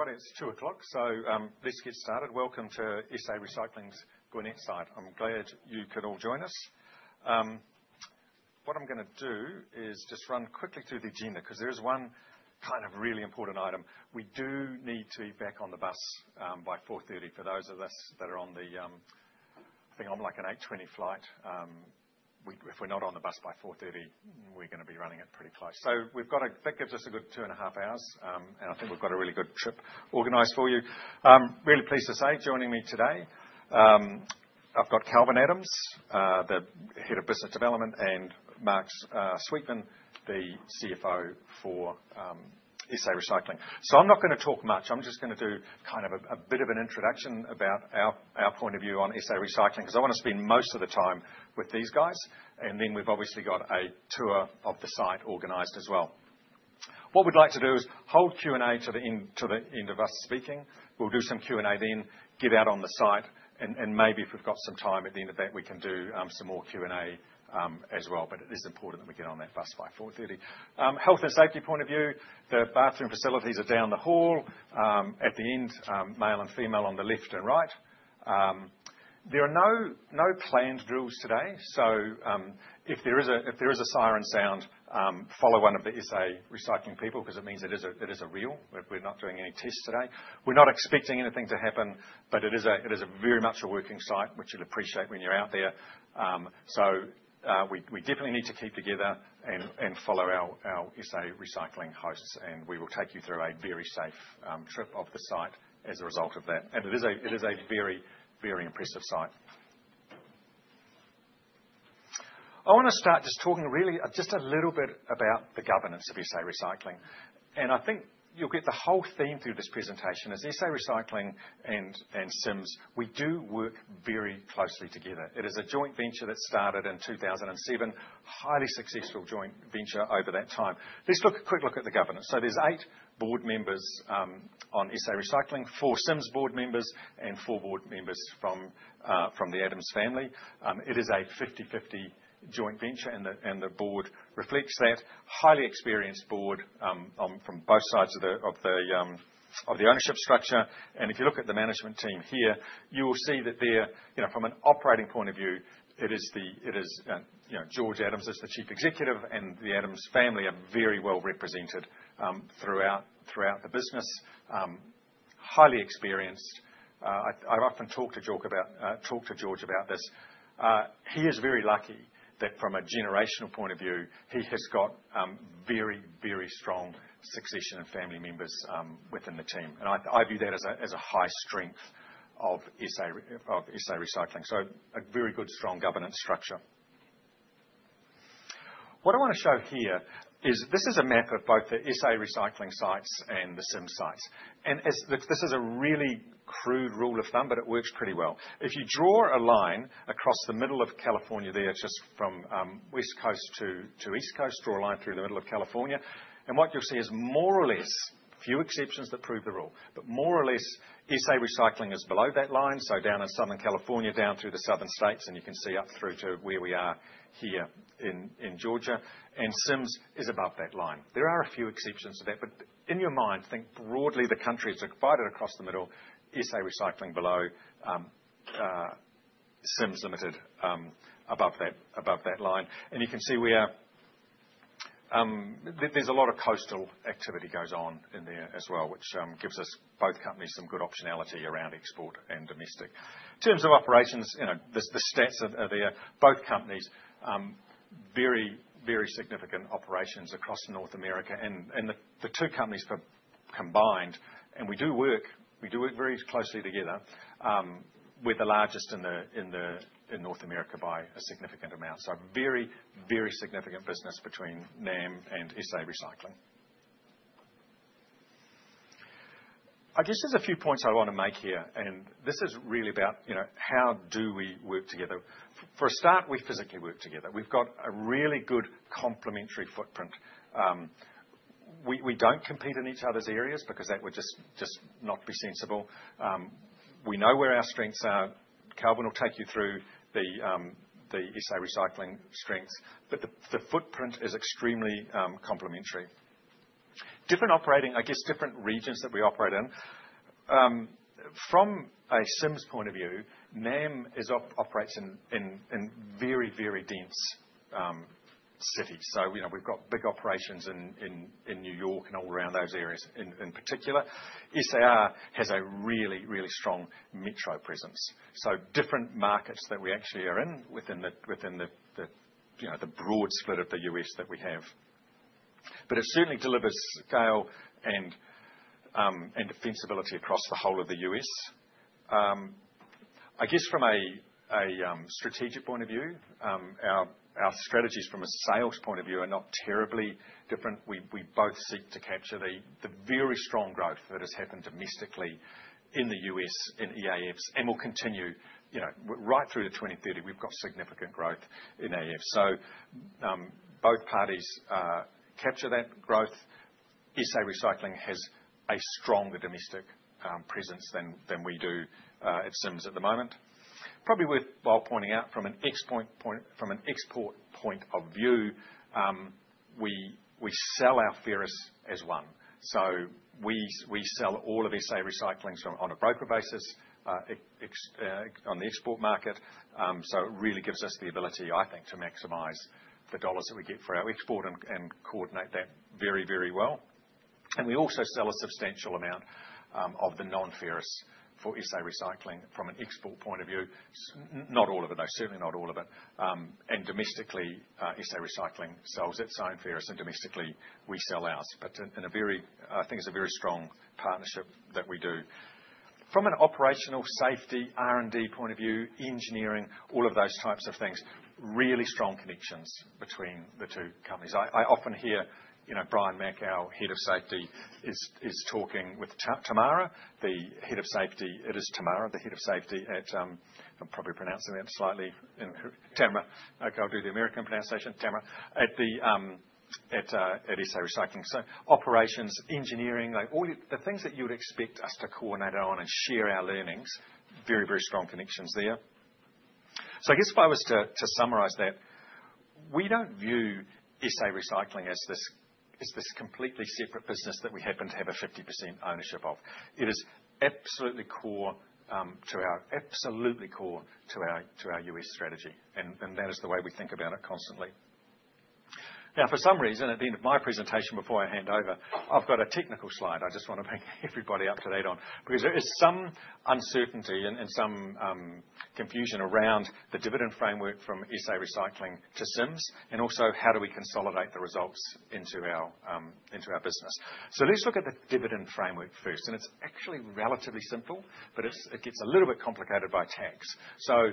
Everybody, it's 2:00 P.M., so let's get started. Welcome to SA Recycling's Gwinnett site. I'm glad you could all join us. What I'm going to do is just run quickly through the agenda because there is one kind of really important item. We do need to be back on the bus by 4:30 P.M. for those of us that are on the—I think I'm like an 8:20 P.M. flight. If we're not on the bus by 4:30 P.M., we're going to be running it pretty close. So that gives us a good two and a half hours, and I think we've got a really good trip organized for you. Really pleased to say, joining me today, I've got Kalvin Adams, the Head of Business Development, and Mark Sweetman, the CFO for SA Recycling. So I'm not going to talk much. I'm just going to do kind of a bit of an introduction about our point of view on SA Recycling because I want to spend most of the time with these guys, and then we've obviously got a tour of the site organized as well. What we'd like to do is hold Q&A to the end of us speaking. We'll do some Q&A then, get out on the site, and maybe if we've got some time at the end of that, we can do some more Q&A as well. But it is important that we get on that bus by 4:30 P.M. Health and safety point of view, the bathroom facilities are down the hall. At the end, male and female on the left and right. There are no planned drills today, so if there is a siren sound, follow one of the SA Recycling people because it means it is a real. We're not doing any tests today. We're not expecting anything to happen, but it is very much a working site, which you'll appreciate when you're out there. So we definitely need to keep together and follow our SA Recycling hosts, and we will take you through a very safe trip of the site as a result of that. It is a very, very impressive site. I want to start just talking really just a little bit about the governance of SA Recycling. I think you'll get the whole theme through this presentation as SA Recycling and Sims; we do work very closely together. It is a joint venture that started in 2007, a highly successful joint venture over that time. Let's take a quick look at the governance, so there's eight board members on SA Recycling, four Sims board members, and four board members from the Adams family. It is a 50/50 joint venture, and the board reflects that: a highly experienced board from both sides of the ownership structure, and if you look at the management team here, you will see that from an operating point of view, it is George Adams as the Chief Executive, and the Adams family are very well represented throughout the business. Highly experienced. I've often talked to George about this. He is very lucky that from a generational point of view, he has got very, very strong succession and family members within the team, and I view that as a high strength of SA Recycling, so a very good, strong governance structure. What I want to show here is this is a map of both the SA Recycling sites and the Sims sites. This is a really crude rule of thumb, but it works pretty well. If you draw a line across the middle of California there, just from West Coast to East Coast, draw a line through the middle of California, and what you'll see is more or less, few exceptions that prove the rule, but more or less, SA Recycling is below that line. Down in Southern California, down through the southern states, and you can see up through to where we are here in Georgia. Sims is above that line. There are a few exceptions to that, but in your mind, think broadly the country. It's divided across the middle: SA Recycling below, Sims Limited above that line. You can see where there's a lot of coastal activity that goes on in there as well, which gives us both companies some good optionality around export and domestic. In terms of operations, the stats are there. Both companies have very, very significant operations across North America. The two companies combined, and we do work very closely together, we're the largest in North America by a significant amount. So there is very, very significant business between NAM and SA Recycling. I guess there are a few points I want to make here, and this is really about how we work together. For a start, we physically work together. We've got a really good complementary footprint. We don't compete in each other's areas because that would just not be sensible. We know where our strengths are. Kalvin will take you through the SA Recycling strengths, but the footprint is extremely complementary. Different operating, I guess, different regions that we operate in. From a Sims point of view, NAM operates in very, very dense cities. So we've got big operations in New York and all around those areas in particular. SA Recycling has a really, really strong metro presence. So different markets that we actually are in within the broad split of the US that we have. But it certainly delivers scale and defensibility across the whole of the U.S. I guess from a strategic point of view, our strategies from a sales point of view are not terribly different. We both seek to capture the very strong growth that has happened domestically in the US in EAFs, and we'll continue right through to 2030. We've got significant growth in EAF. So both parties capture that growth. SA Recycling has a stronger domestic presence than we do at Sims at the moment. Probably worthwhile pointing out from an export point of view, we sell our ferrous as one. So we sell all of SA Recycling on a broker basis on the export market. So it really gives us the ability, I think, to maximize the dollars that we get for our export and coordinate that very, very well. And we also sell a substantial amount of the non-ferrous for SA Recycling from an export point of view. Not all of it, though. Certainly not all of it. And domestically, SA Recycling sells its own ferrous, and domestically, we sell ours. But I think it's a very strong partnership that we do. From an operational safety, R&D point of view, engineering, all of those types of things, really strong connections between the two companies. I often hear Brian Mack, our Head of Safety, is talking with Tamara, the Head of Safety. It is Tamara, the head of safety at-I'm probably pronouncing that slightly in Tamara. Okay, I'll do the American pronunciation-Tamara at SA Recycling. So operations, engineering, the things that you would expect us to coordinate on and share our learnings, very, very strong connections there. So I guess if I was to summarise that, we don't view SA Recycling as this completely separate business that we happen to have a 50% ownership of. It is absolutely core to our absolutely core to our U.S. strategy, and that is the way we think about it constantly. Now, for some reason, at the end of my presentation before I hand over, I've got a technical slide I just want to make everybody up to date on because there is some uncertainty and some confusion around the dividend framework from SA Recycling to Sims, and also how do we consolidate the results into our business. So let's look at the dividend framework first, and it's actually relatively simple, but it gets a little bit complicated by tax, so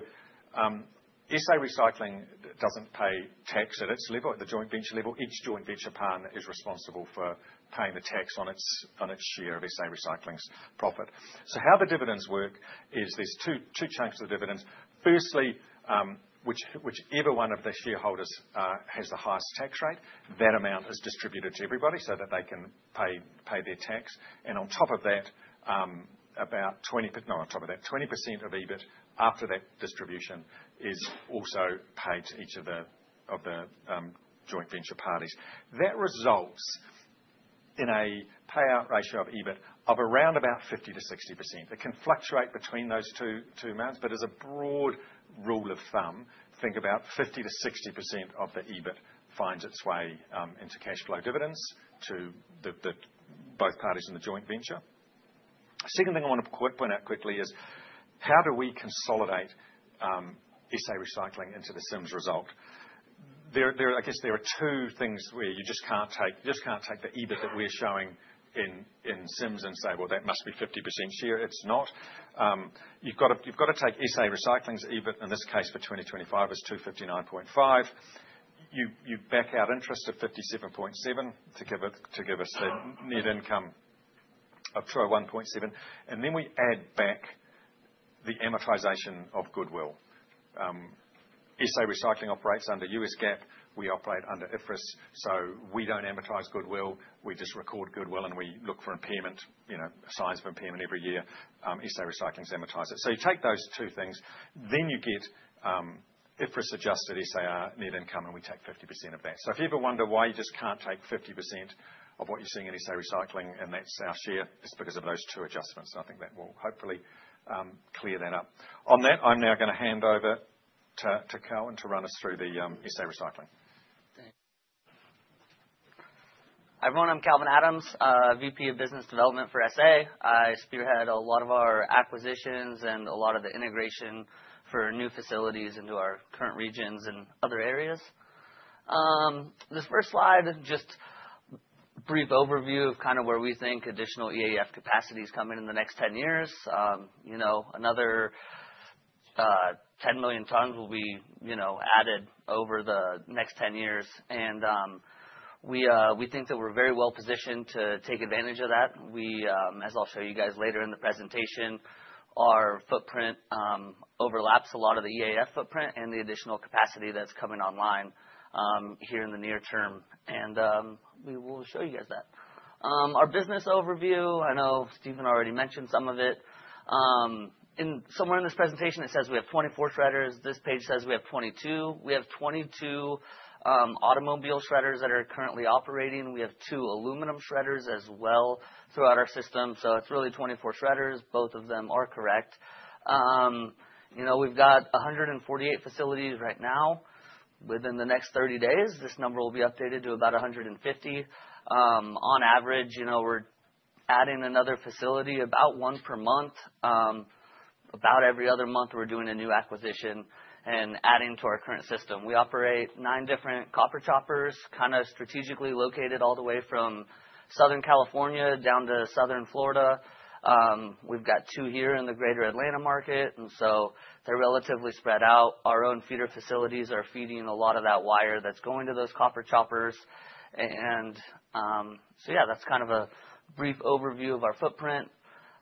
SA Recycling doesn't pay tax at its level, at the joint venture level. Each joint venture partner is responsible for paying the tax on its share of SA Recycling's profit, so how the dividends work is there's two chunks of dividends. Firstly, whichever one of the shareholders has the highest tax rate, that amount is distributed to everybody so that they can pay their tax. And on top of that, about 20—not on top of that, 20% of EBIT after that distribution is also paid to each of the joint venture parties. That results in a payout ratio of EBIT of around about 50%-60%. It can fluctuate between those two amounts, but as a broad rule of thumb, think about 50%-60% of the EBIT finds its way into cash flow dividends to both parties in the joint venture. Second thing I want to point out quickly is how do we consolidate SA Recycling into the Sims result? I guess there are two things where you just can't take the EBIT that we're showing in Sims and say, "Well, that must be 50% share." It's not. You've got to take SA Recycling's EBIT in this case for 2025 as 259.5. You back out interest at 57.7 to give us the net income of 201.7. And then we add back the amortization of goodwill. SA Recycling operates under US GAAP. We operate under IFRS, so we don't amortize goodwill. We just record goodwill, and we look for signs of impairment every year. SA Recycling's amortized it. So you take those two things, then you get IFRS-adjusted SAR net income, and we take 50% of that. So if you ever wonder why you just can't take 50% of what you're seeing in SA Recycling and that's our share, it's because of those two adjustments. I think that will hopefully clear that up. On that, I'm now going to hand over to Kalvin to run us through the SA Recycling. Thanks. Hi, everyone. I'm Kalvin Adams, VP of Business Development for SA. I spearhead a lot of our acquisitions and a lot of the integration for new facilities into our current regions and other areas. This first slide, just a brief overview of kind of where we think additional EAF capacity is coming in the next 10 years. Another 10 million tons will be added over the next 10 years. And we think that we're very well positioned to take advantage of that. As I'll show you guys later in the presentation, our footprint overlaps a lot of the EAF footprint and the additional capacity that's coming online here in the near term. And we will show you guys that. Our business overview, I know Stephen already mentioned some of it. Somewhere in this presentation, it says we have 24 shredders. This page says we have 22. We have 22 automobile shredders that are currently operating. We have two aluminum shredders as well throughout our system. So it's really 24 shredders. Both of them are correct. We've got 148 facilities right now. Within the next 30 days, this number will be updated to about 150. On average, we're adding another facility, about one per month. About every other month, we're doing a new acquisition and adding to our current system. We operate nine different copper choppers, kind of strategically located all the way from Southern California down to Southern Florida. We've got two here in the greater Atlanta market, and so they're relatively spread out. Our own feeder facilities are feeding a lot of that wire that's going to those copper choppers. And so yeah, that's kind of a brief overview of our footprint.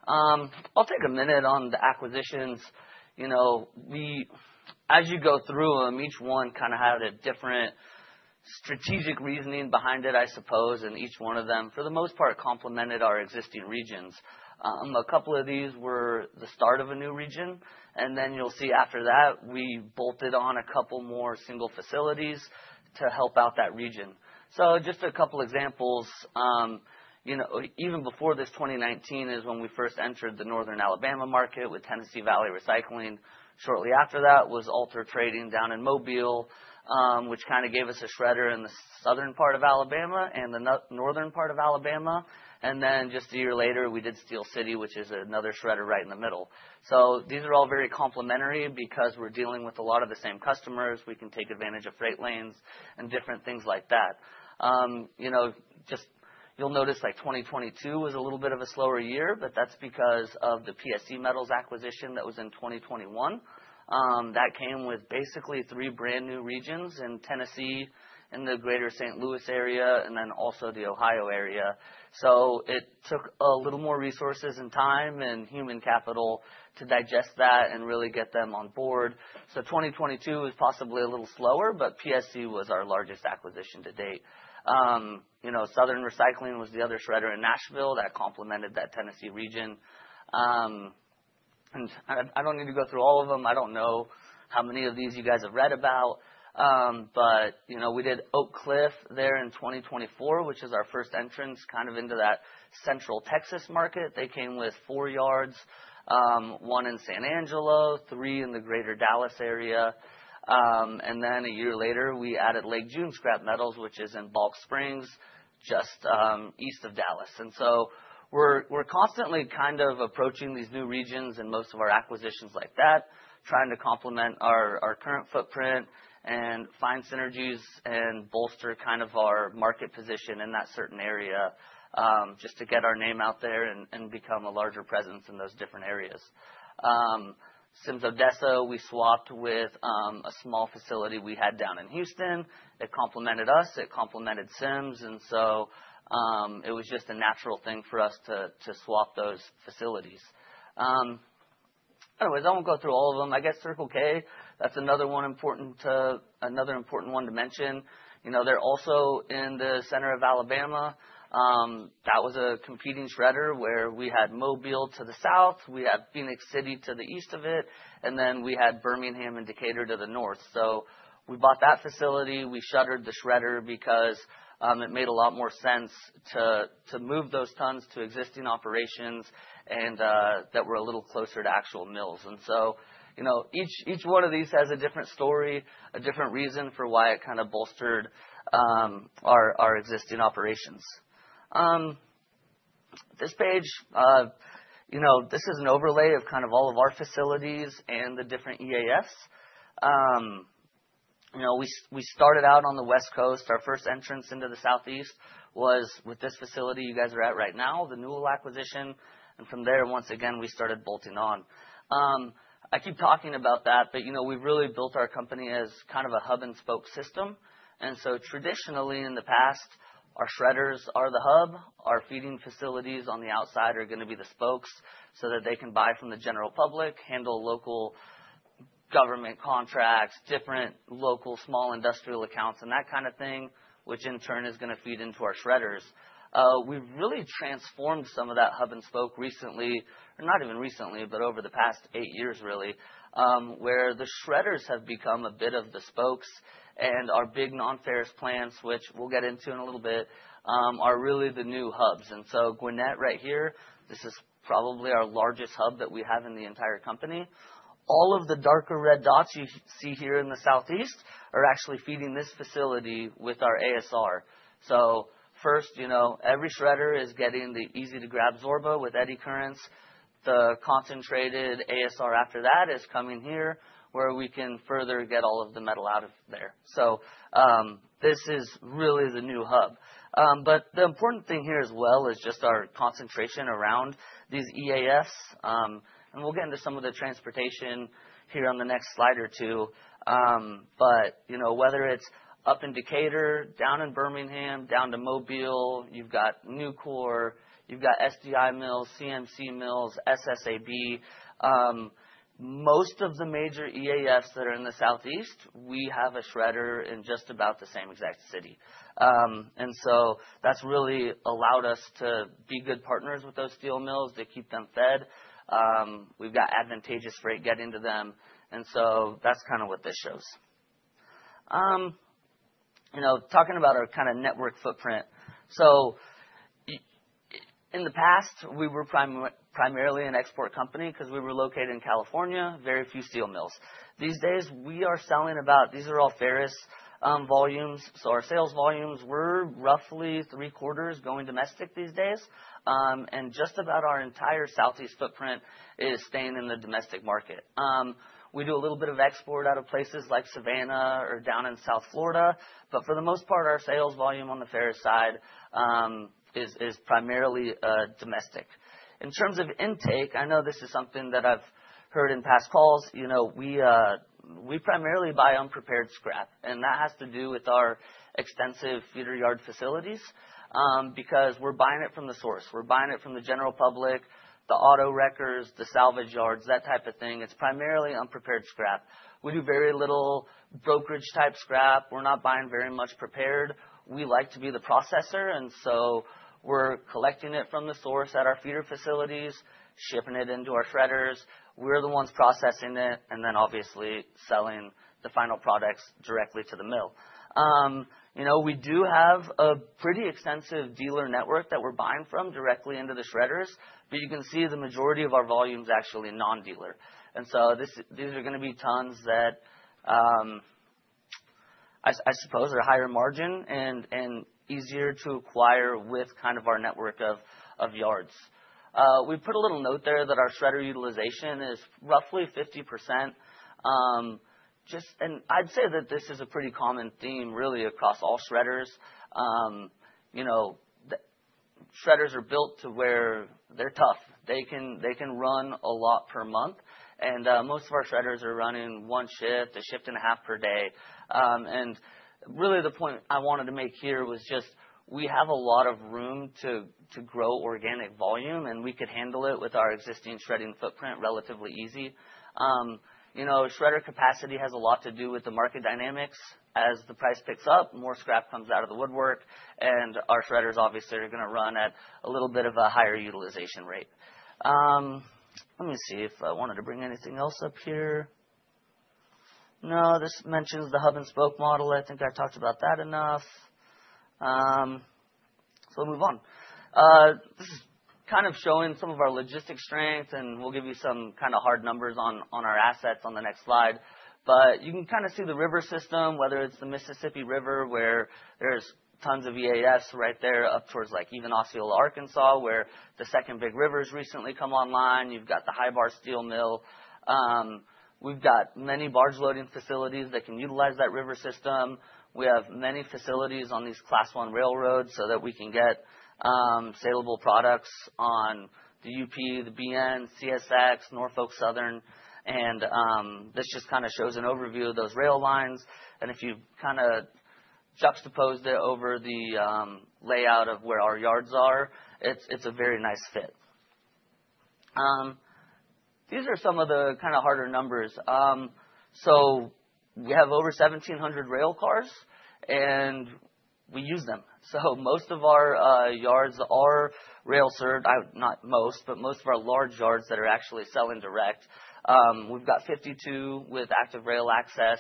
I'll take a minute on the acquisitions. As you go through them, each one kind of had a different strategic reasoning behind it, I suppose, and each one of them, for the most part, complemented our existing regions. A couple of these were the start of a new region, and then you'll see after that, we bolted on a couple more single facilities to help out that region, so just a couple of examples. Even before this, 2019, is when we first entered the northern Alabama market with Tennessee Valley Recycling. Shortly after that was Alter Trading down in Mobile, which kind of gave us a shredder in the southern part of Alabama and the northern part of Alabama, and then just a year later, we did Steel City, which is another shredder right in the middle, so these are all very complementary because we're dealing with a lot of the same customers. We can take advantage of freight lanes and different things like that. Just you'll notice like 2022 was a little bit of a slower year, but that's because of the PSC Metals acquisition that was in 2021. That came with basically three brand new regions in Tennessee, in the greater St. Louis area, and then also the Ohio area. So it took a little more resources and time and human capital to digest that and really get them on board. So 2022 was possibly a little slower, but PSC was our largest acquisition to date. Southern Recycling was the other shredder in Nashville that complemented that Tennessee region. And I don't need to go through all of them. I don't know how many of these you guys have read about. But we did Oak Cliff there in 2024, which is our first entrance kind of into that central Texas market. They came with four yards, one in San Angelo, three in the greater Dallas area. And then a year later, we added Lake June Scrap Metals, which is in Balch Springs, just east of Dallas. And so we're constantly kind of approaching these new regions and most of our acquisitions like that, trying to complement our current footprint and find synergies and bolster kind of our market position in that certain area just to get our name out there and become a larger presence in those different areas. Sims Odessa, we swapped with a small facility we had down in Houston. It complemented us. It complemented Sims. And so it was just a natural thing for us to swap those facilities. Anyways, I won't go through all of them. I guess Circle City, that's another important one to mention. They're also in the center of Alabama. That was a competing shredder where we had Mobile to the south. We had Phenix City to the east of it, and then we had Birmingham and Decatur to the north. So we bought that facility. We shuttered the shredder because it made a lot more sense to move those tons to existing operations that were a little closer to actual mills. And so each one of these has a different story, a different reason for why it kind of bolstered our existing operations. This page, this is an overlay of kind of all of our facilities and the different EAFs. We started out on the West Coast. Our first entrance into the Southeast was with this facility you guys are at right now, the Newell acquisition. And from there, once again, we started bolting on. I keep talking about that, but we've really built our company as kind of a hub-and-spoke system, and so traditionally, in the past, our shredders are the hub. Our feeding facilities on the outside are going to be the spokes so that they can buy from the general public, handle local government contracts, different local small industrial accounts, and that kind of thing, which in turn is going to feed into our shredders. We've really transformed some of that hub-and-spoke recently, or not even recently, but over the past eight years, really, where the shredders have become a bit of the spokes, and our big non-ferrous plants, which we'll get into in a little bit, are really the new hubs, and so Gwinnett right here, this is probably our largest hub that we have in the entire company. All of the darker red dots you see here in the Southeast are actually feeding this facility with our ASR, so first, every shredder is getting the easy-to-grab Zorba with eddy currents. The concentrated ASR after that is coming here, where we can further get all of the metal out of there, so this is really the new hub, but the important thing here as well is just our concentration around these EAFs, and we'll get into some of the transportation here on the next slide or two, but whether it's up in Decatur, down in Birmingham, down to Mobile, you've got Nucor, you've got SDI mills, CMC mills, SSAB. Most of the major EAFs that are in the Southeast, we have a shredder in just about the same exact city, and so that's really allowed us to be good partners with those steel mills to keep them fed. We've got advantageous freight getting to them. And so that's kind of what this shows. Talking about our kind of network footprint. So in the past, we were primarily an export company because we were located in California, very few steel mills. These days, we are selling about these are all ferrous volumes. So our sales volumes were roughly three-quarters going domestic these days. And just about our entire Southeast footprint is staying in the domestic market. We do a little bit of export out of places like Savannah or down in South Florida. But for the most part, our sales volume on the ferrous side is primarily domestic. In terms of intake, I know this is something that I've heard in past calls. We primarily buy unprepared scrap. And that has to do with our extensive feeder yard facilities because we're buying it from the source. We're buying it from the general public, the auto wreckers, the salvage yards, that type of thing. It's primarily unprepared scrap. We do very little brokerage-type scrap. We're not buying very much prepared. We like to be the processor. And so we're collecting it from the source at our feeder facilities, shipping it into our shredders. We're the ones processing it and then obviously selling the final products directly to the mill. We do have a pretty extensive dealer network that we're buying from directly into the shredders. But you can see the majority of our volume is actually non-dealer. And so these are going to be tons that I suppose are higher margin and easier to acquire with kind of our network of yards. We put a little note there that our shredder utilization is roughly 50%. I'd say that this is a pretty common theme, really, across all shredders. Shredders are built to where they're tough. They can run a lot per month. Most of our shredders are running one shift, a shift and a half per day. Really, the point I wanted to make here was just we have a lot of room to grow organic volume, and we could handle it with our existing shredding footprint relatively easy. Shredder capacity has a lot to do with the market dynamics. As the price picks up, more scrap comes out of the woodwork, and our shredders obviously are going to run at a little bit of a higher utilization rate. Let me see if I wanted to bring anything else up here. No, this mentions the hub-and-spoke model. I think I talked about that enough. We'll move on. This is kind of showing some of our logistics strength, and we'll give you some kind of hard numbers on our assets on the next slide, but you can kind of see the river system, whether it's the Mississippi River, where there's tons of EAFs right there up towards even Osceola, Arkansas, where the second big rivers recently come online. You've got the Hybar Steel Mill. We've got many barge loading facilities that can utilize that river system. We have many facilities on these Class I railroads so that we can get salable products on the UP, the BN, CSX, Norfolk Southern, and this just kind of shows an overview of those rail lines, and if you kind of juxtapose it over the layout of where our yards are, it's a very nice fit. These are some of the kind of harder numbers. We have over 1,700 rail cars, and we use them. Most of our yards are rail-served, not most, but most of our large yards that are actually selling direct. We've got 52 with active rail access.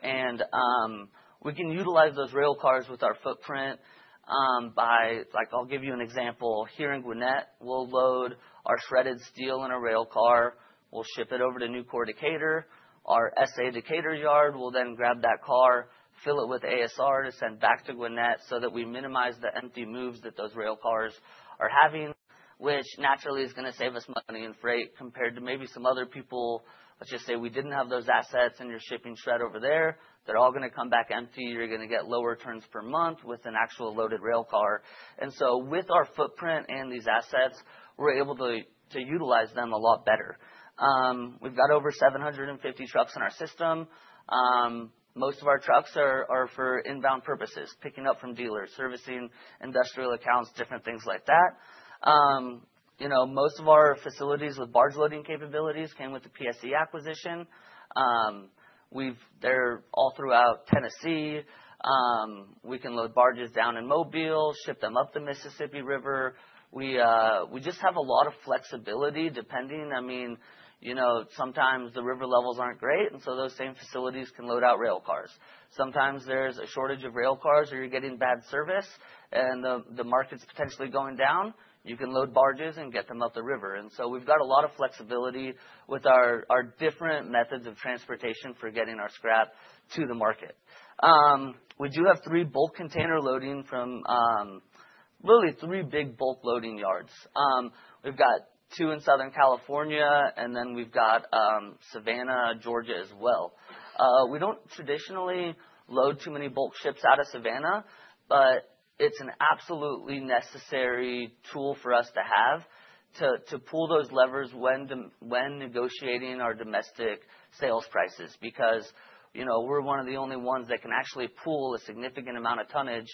And we can utilize those rail cars with our footprint by, like I'll give you an example. Here in Gwinnett, we'll load our shredded steel in a rail car. We'll ship it over to Nucor, Decatur. Our SA Decatur yard will then grab that car, fill it with ASR to send back to Gwinnett so that we minimize the empty moves that those rail cars are having, which naturally is going to save us money in freight compared to maybe some other people. Let's just say we didn't have those assets and you're shipping shred over there. They're all going to come back empty. You're going to get lower turns per month with an actual loaded rail car. And so with our footprint and these assets, we're able to utilize them a lot better. We've got over 750 trucks in our system. Most of our trucks are for inbound purposes, picking up from dealers, servicing industrial accounts, different things like that. Most of our facilities with barge loading capabilities came with the PSC acquisition. They're all throughout Tennessee. We can load barges down in Mobile, ship them up the Mississippi River. We just have a lot of flexibility depending. I mean, sometimes the river levels aren't great, and so those same facilities can load out rail cars. Sometimes there's a shortage of rail cars or you're getting bad service, and the market's potentially going down. You can load barges and get them up the river. And so we've got a lot of flexibility with our different methods of transportation for getting our scrap to the market. We do have three bulk container loading from really three big bulk loading yards. We've got two in Southern California, and then we've got Savannah, Georgia as well. We don't traditionally load too many bulk ships out of Savannah, but it's an absolutely necessary tool for us to have to pull those levers when negotiating our domestic sales prices because we're one of the only ones that can actually pull a significant amount of tonnage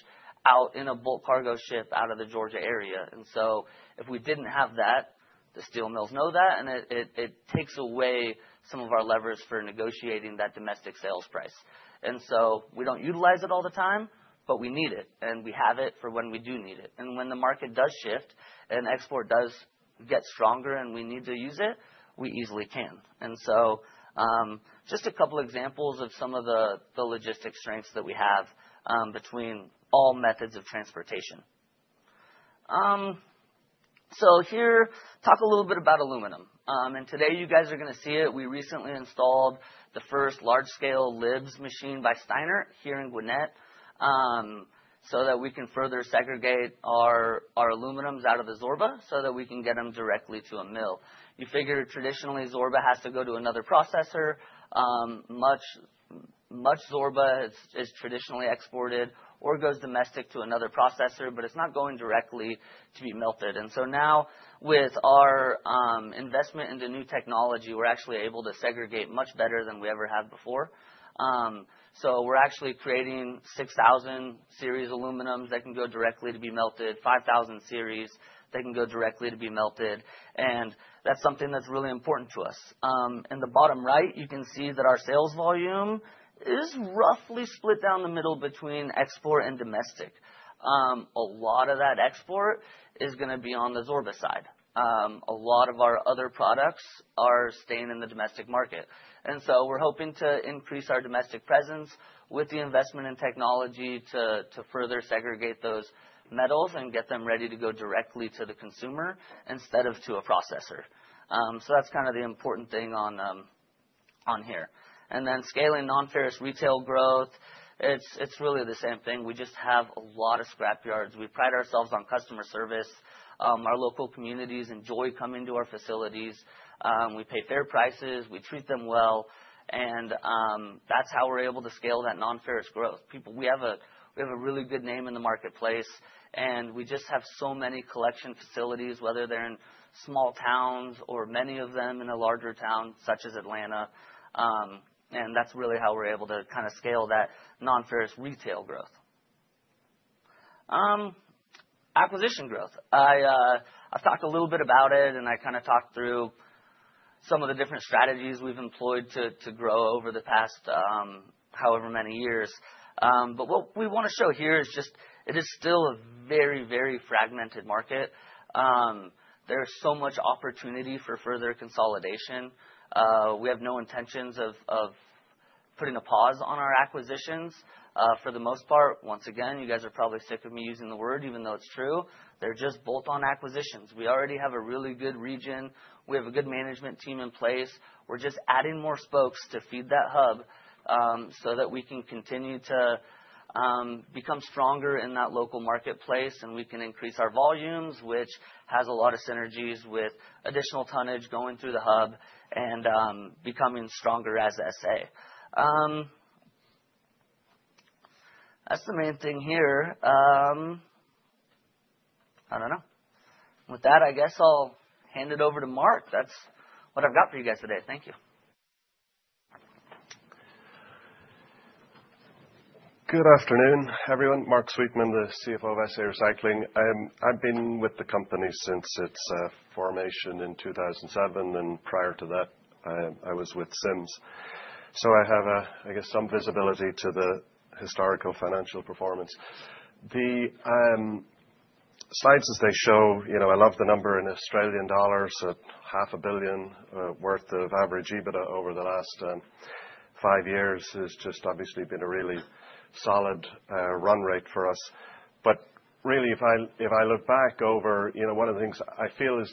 out in a bulk cargo ship out of the Georgia area. And so if we didn't have that, the steel mills know that, and it takes away some of our levers for negotiating that domestic sales price. We don't utilize it all the time, but we need it, and we have it for when we do need it. When the market does shift and export does get stronger and we need to use it, we easily can. Just a couple of examples of some of the logistics strengths that we have between all methods of transportation. Here, talk a little bit about aluminum. Today, you guys are going to see it. We recently installed the first large-scale LIBS machine by Steinert here in Gwinnett so that we can further segregate our aluminums out of the Zorba so that we can get them directly to a mill. You figure traditionally, Zorba has to go to another processor. Much Zorba is traditionally exported or goes domestic to another processor, but it's not going directly to be melted. And so now, with our investment into new technology, we're actually able to segregate much better than we ever have before. So we're actually creating 6,000 series aluminums that can go directly to be melted, 5,000 series that can go directly to be melted. And that's something that's really important to us. In the bottom right, you can see that our sales volume is roughly split down the middle between export and domestic. A lot of that export is going to be on the Zorba side. A lot of our other products are staying in the domestic market. And so we're hoping to increase our domestic presence with the investment in technology to further segregate those metals and get them ready to go directly to the consumer instead of to a processor. So that's kind of the important thing on here. And then scaling non-ferrous retail growth, it's really the same thing. We just have a lot of scrap yards. We pride ourselves on customer service. Our local communities enjoy coming to our facilities. We pay fair prices. We treat them well. And that's how we're able to scale that non-ferrous growth. We have a really good name in the marketplace, and we just have so many collection facilities, whether they're in small towns or many of them in a larger town such as Atlanta. And that's really how we're able to kind of scale that non-ferrous retail growth. Acquisition growth. I've talked a little bit about it, and I kind of talked through some of the different strategies we've employed to grow over the past however many years. But what we want to show here is just it is still a very, very fragmented market. There is so much opportunity for further consolidation. We have no intentions of putting a pause on our acquisitions for the most part. Once again, you guys are probably sick of me using the word, even though it's true. They're just bolt-on acquisitions. We already have a really good region. We have a good management team in place. We're just adding more spokes to feed that hub so that we can continue to become stronger in that local marketplace, and we can increase our volumes, which has a lot of synergies with additional tonnage going through the hub and becoming stronger as SA. That's the main thing here. I don't know. With that, I guess I'll hand it over to Mark. That's what I've got for you guys today. Thank you. Good afternoon, everyone. Mark Sweetman, the CFO of SA Recycling. I've been with the company since its formation in 2007, and prior to that, I was with Sims. So I have, I guess, some visibility to the historical financial performance. The slides, as they show, I love the number in 500 million Australian dollars worth of average EBITDA over the last five years has just obviously been a really solid run rate for us. But really, one of the things I feel is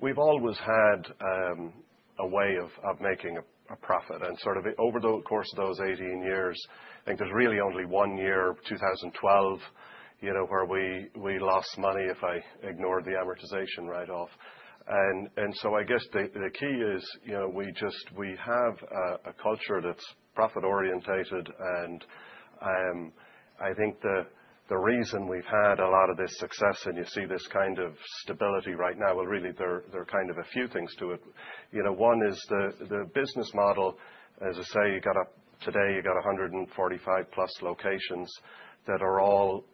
we've always had a way of making a profit. Sort of over the course of those 18 years, I think there's really only one year, 2012, where we lost money if I ignore the amortization write-off. So I guess the key is we have a culture that's profit-oriented. And I think the reason we've had a lot of this success and you see this kind of stability right now, well, really, there are kind of a few things to it. One is the business model. As I say, today, you've got 145+ locations that are all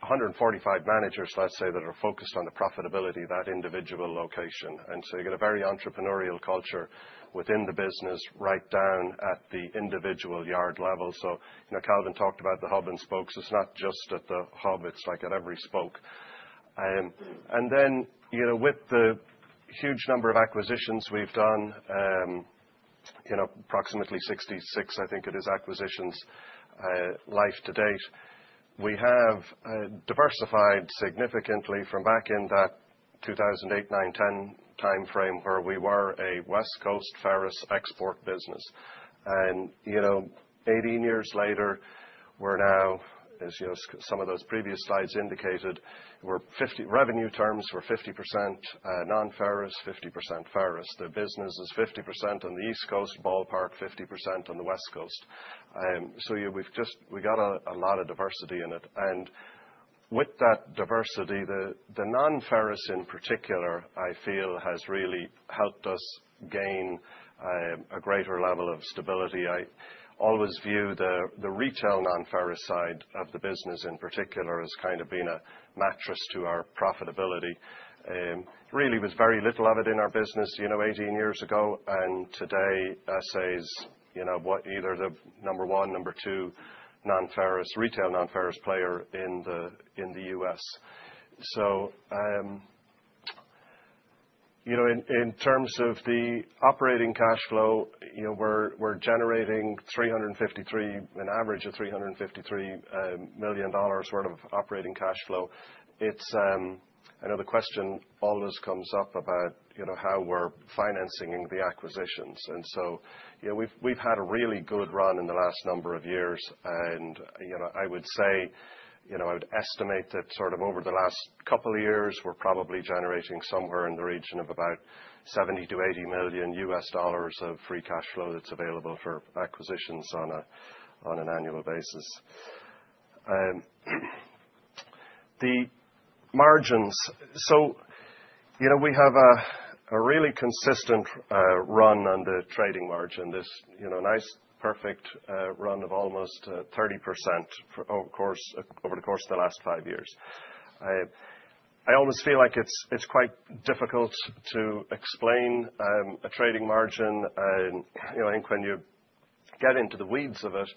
145 managers, let's say, that are focused on the profitability of that individual location. And so you've got a very entrepreneurial culture within the business right down at the individual yard level. So Kalvin talked about the hub and spokes. It's not just at the hub. It's like at every spoke. And then with the huge number of acquisitions we've done, approximately 66, I think it is, acquisitions life to date, we have diversified significantly from back in that 2008, 2009, 2010 timeframe where we were a West Coast ferrous export business. And 18 years later, we're now, as some of those previous slides indicated, revenue terms were 50% non-ferrous, 50% ferrous. The business is 50% on the East Coast ballpark, 50% on the West Coast. So we've got a lot of diversity in it. And with that diversity, the non-ferrous in particular, I feel, has really helped us gain a greater level of stability. I always view the retail non-ferrous side of the business in particular as kind of being a mattress to our profitability. Really, there was very little of it in our business 18 years ago, and today, SA is either the number one, number two retail non-ferrous player in the U.S. So in terms of the operating cash flow, we're generating an average of $353 million sort of operating cash flow. I know the question always comes up about how we're financing the acquisitions. And so we've had a really good run in the last number of years. And I would say, I would estimate that sort of over the last couple of years, we're probably generating somewhere in the region of about $70-$80 million of free cash flow that's available for acquisitions on an annual basis. The margins. So we have a really consistent run on the trading margin, this nice, perfect run of almost 30%, of course, over the course of the last five years. I always feel like it's quite difficult to explain a trading margin. I think when you get into the weeds of it,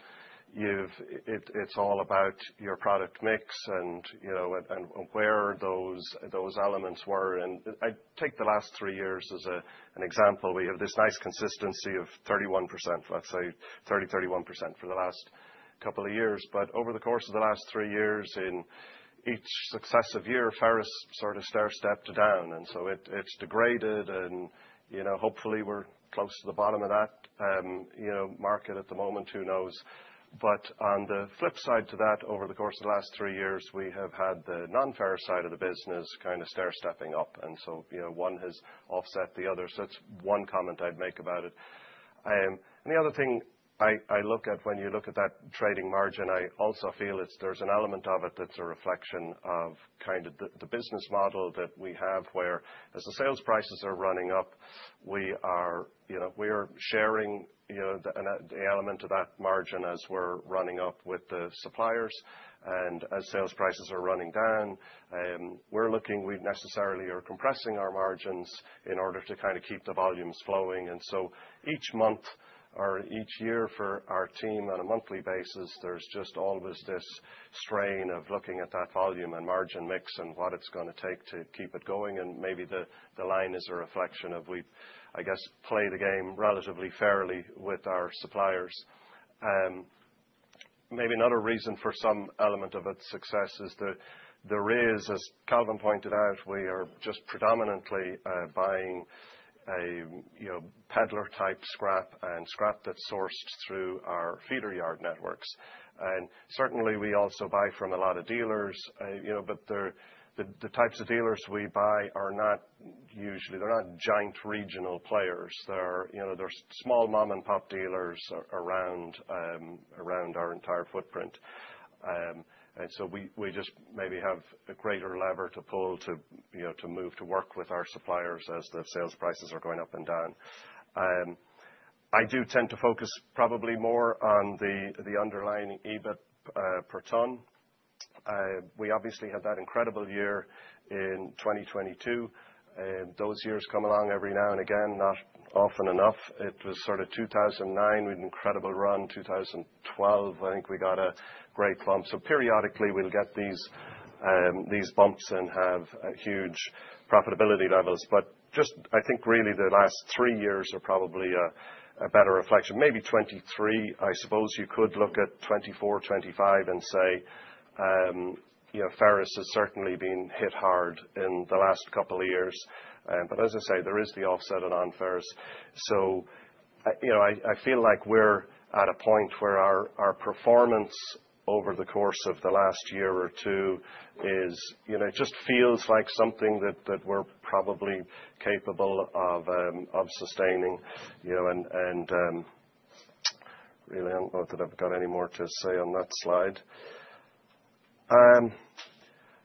it's all about your product mix and where those elements were. And I take the last three years as an example. We have this nice consistency of 31%, let's say, 30%-31% for the last couple of years. But over the course of the last three years, in each successive year, ferrous sort of stair-stepped down. And so it's degraded, and hopefully, we're close to the bottom of that market at the moment. Who knows? But on the flip side to that, over the course of the last three years, we have had the non-ferrous side of the business kind of stair-stepping up. And so one has offset the other. So that's one comment I'd make about it. And the other thing I look at when you look at that trading margin, I also feel there's an element of it that's a reflection of kind of the business model that we have where, as the sales prices are running up, we are sharing the element of that margin as we're running up with the suppliers. And as sales prices are running down, we're looking, we necessarily are compressing our margins in order to kind of keep the volumes flowing. And so each month or each year for our team, on a monthly basis, there's just always this strain of looking at that volume and margin mix and what it's going to take to keep it going. And maybe the line is a reflection of we've, I guess, played the game relatively fairly with our suppliers. Maybe another reason for some element of its success is that there is, as Kalvin pointed out, we are just predominantly buying a peddler-type scrap and scrap that's sourced through our feeder yard networks. And certainly, we also buy from a lot of dealers. But the types of dealers we buy are not usually, they're not giant regional players. They're small mom-and-pop dealers around our entire footprint. And so we just maybe have a greater lever to pull to move to work with our suppliers as the sales prices are going up and down. I do tend to focus probably more on the underlying EBIT per ton. We obviously had that incredible year in 2022. Those years come along every now and again, not often enough. It was sort of 2009, we had an incredible run. 2012, I think we got a great bump. So periodically, we'll get these bumps and have huge profitability levels. But just I think really the last three years are probably a better reflection. Maybe 2023, I suppose you could look at 2024, 2025 and say ferrous has certainly been hit hard in the last couple of years. But as I say, there is the offset of non-ferrous. I feel like we're at a point where our performance over the course of the last year or two just feels like something that we're probably capable of sustaining. Really, I don't know that I've got any more to say on that slide.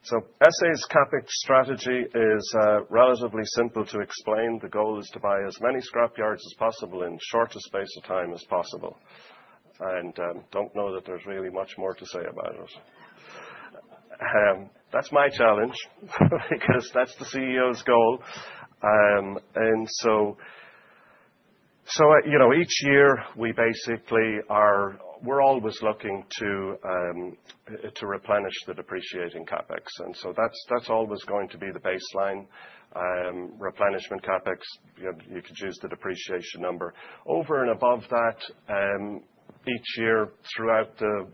SA's CapEx strategy is relatively simple to explain. The goal is to buy as many scrap yards as possible in the shortest space of time as possible. I don't know that there's really much more to say about it. That's my challenge because that's the CEO's goal. Each year, we basically always looking to replenish the depreciating CapEx. That's always going to be the baseline replenishment CapEx. You could choose the depreciation number. Over and above that, each year throughout the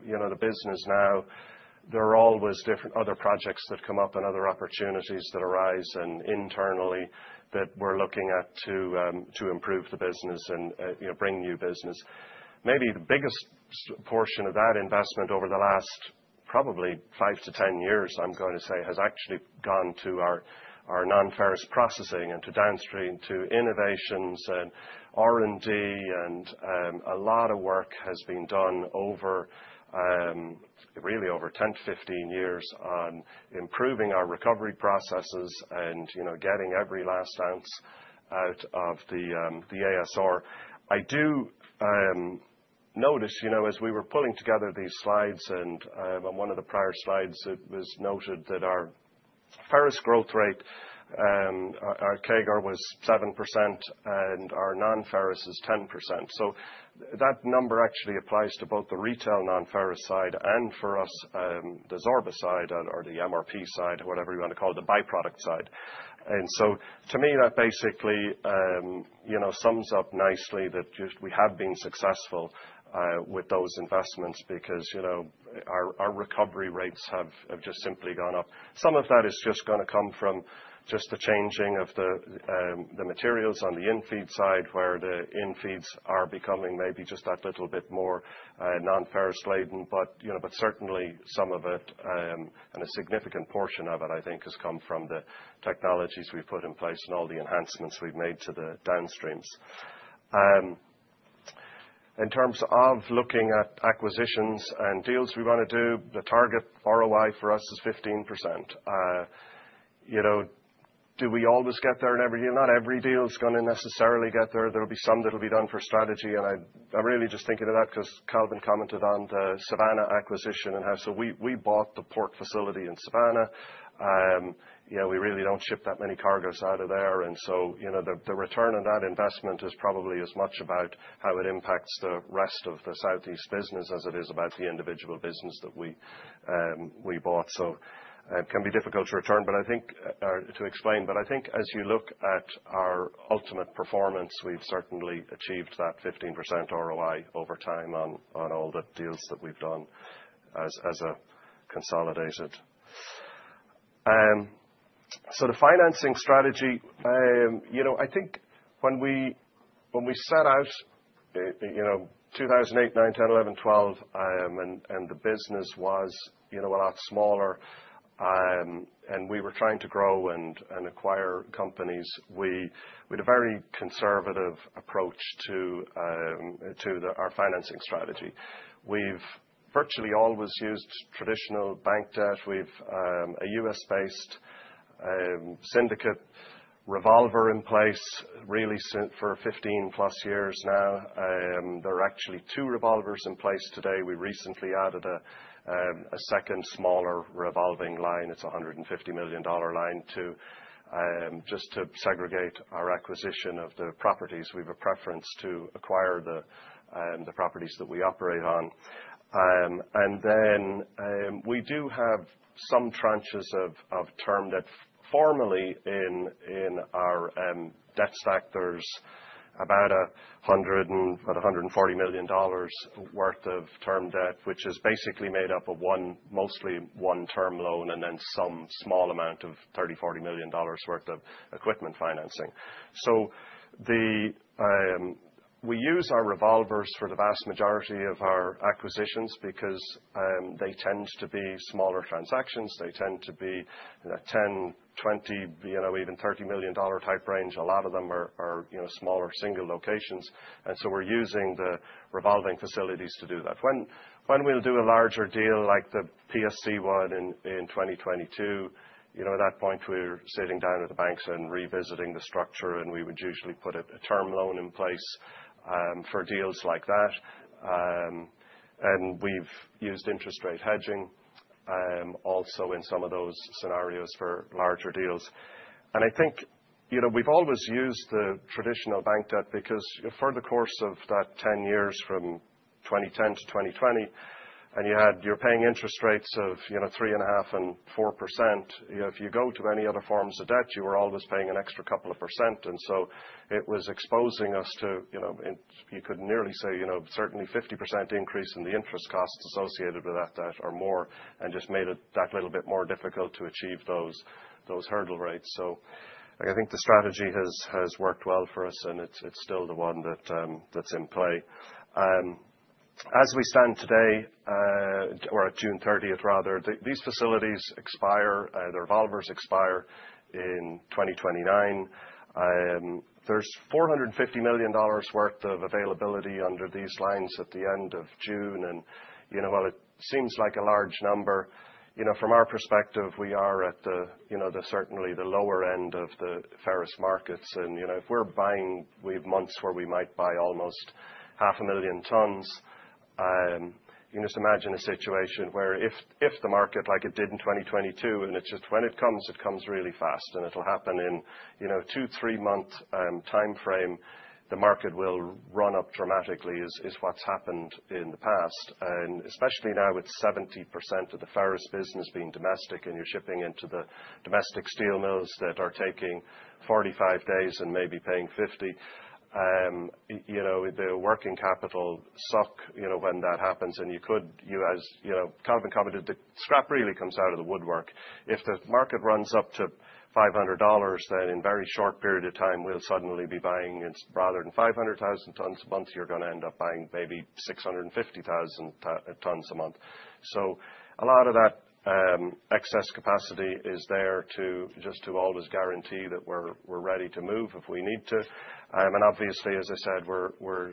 business now, there are always different other projects that come up and other opportunities that arise internally that we're looking at to improve the business and bring new business. Maybe the biggest portion of that investment over the last probably five to 10 years, I'm going to say, has actually gone to our non-ferrous processing and to downstream to innovations and R&D. And a lot of work has been done over really over 10-15 years on improving our recovery processes and getting every last ounce out of the ASR. I do notice as we were pulling together these slides and on one of the prior slides, it was noted that our ferrous growth rate, our CAGR was 7% and our non-ferrous is 10%. So that number actually applies to both the retail non-ferrous side and for us, the Zorba side or the MRP side, whatever you want to call it, the byproduct side. And so to me, that basically sums up nicely that we have been successful with those investments because our recovery rates have just simply gone up. Some of that is just going to come from just the changing of the materials on the infeed side where the infeeds are becoming maybe just that little bit more non-ferrous laden. But certainly, some of it and a significant portion of it, I think, has come from the technologies we've put in place and all the enhancements we've made to the downstreams. In terms of looking at acquisitions and deals we want to do, the target ROI for us is 15%. Do we always get there in every deal? Not every deal is going to necessarily get there. There will be some that will be done for strategy. And I'm really just thinking of that because Kalvin commented on the Savannah acquisition and how so we bought the port facility in Savannah. We really don't ship that many cargoes out of there. And so the return on that investment is probably as much about how it impacts the rest of the Southeast business as it is about the individual business that we bought. So it can be difficult to return, but I think as you look at our ultimate performance, we've certainly achieved that 15% ROI over time on all the deals that we've done as a consolidated. The financing strategy, I think when we set out 2008, 2009, 2010, 2011, 2012, and the business was a lot smaller and we were trying to grow and acquire companies, we had a very conservative approach to our financing strategy. We've virtually always used traditional bank debt. We've a U.S.-based syndicated revolver in place really for 15-plus years now. There are actually two revolvers in place today. We recently added a second smaller revolving line. It's a $150 million line just to segregate our acquisition of the properties. We have a preference to acquire the properties that we operate on. And then we do have some tranches of term debt. Formally, in our debt stack, there's about $140 million worth of term debt, which is basically made up of mostly one term loan and then some small amount of $30-$40 million worth of equipment financing. We use our revolvers for the vast majority of our acquisitions because they tend to be smaller transactions. They tend to be 10, 20, even $30 million type range. A lot of them are smaller single locations. We're using the revolving facilities to do that. When we'll do a larger deal like the PSC one in 2022, at that point, we're sitting down with the banks and revisiting the structure, and we would usually put a term loan in place for deals like that. We've used interest rate hedging also in some of those scenarios for larger deals. I think we've always used the traditional bank debt because over the course of that 10 years from 2010-2020, and you're paying interest rates of 3.5%-4%. If you go to any other forms of debt, you were always paying an extra couple of %. And so it was exposing us to, you could nearly say, certainly 50% increase in the interest costs associated with that debt or more and just made it that little bit more difficult to achieve those hurdle rates. I think the strategy has worked well for us, and it's still the one that's in play. As we stand today, or at June 30th, rather, these facilities expire. Their revolvers expire in 2029. There's $450 million worth of availability under these lines at the end of June. While it seems like a large number, from our perspective, we are at certainly the lower end of the ferrous markets. If we're buying, we have months where we might buy almost 500,000 tons. Just imagine a situation where if the market, like it did in 2022, and it's just when it comes, it comes really fast, and it'll happen in a two, three-month time frame. The market will run up dramatically is what's happened in the past. Especially now with 70% of the ferrous business being domestic and you're shipping into the domestic steel mills that are taking 45 days and maybe paying 50, the working capital suck when that happens. You could, as Kalvin commented, the scrap really comes out of the woodwork. If the market runs up to $500, then in a very short period of time, we'll suddenly be buying rather than 500,000 tons a month, you're going to end up buying maybe 650,000 tons a month. A lot of that excess capacity is there just to always guarantee that we're ready to move if we need to. And obviously, as I said, we're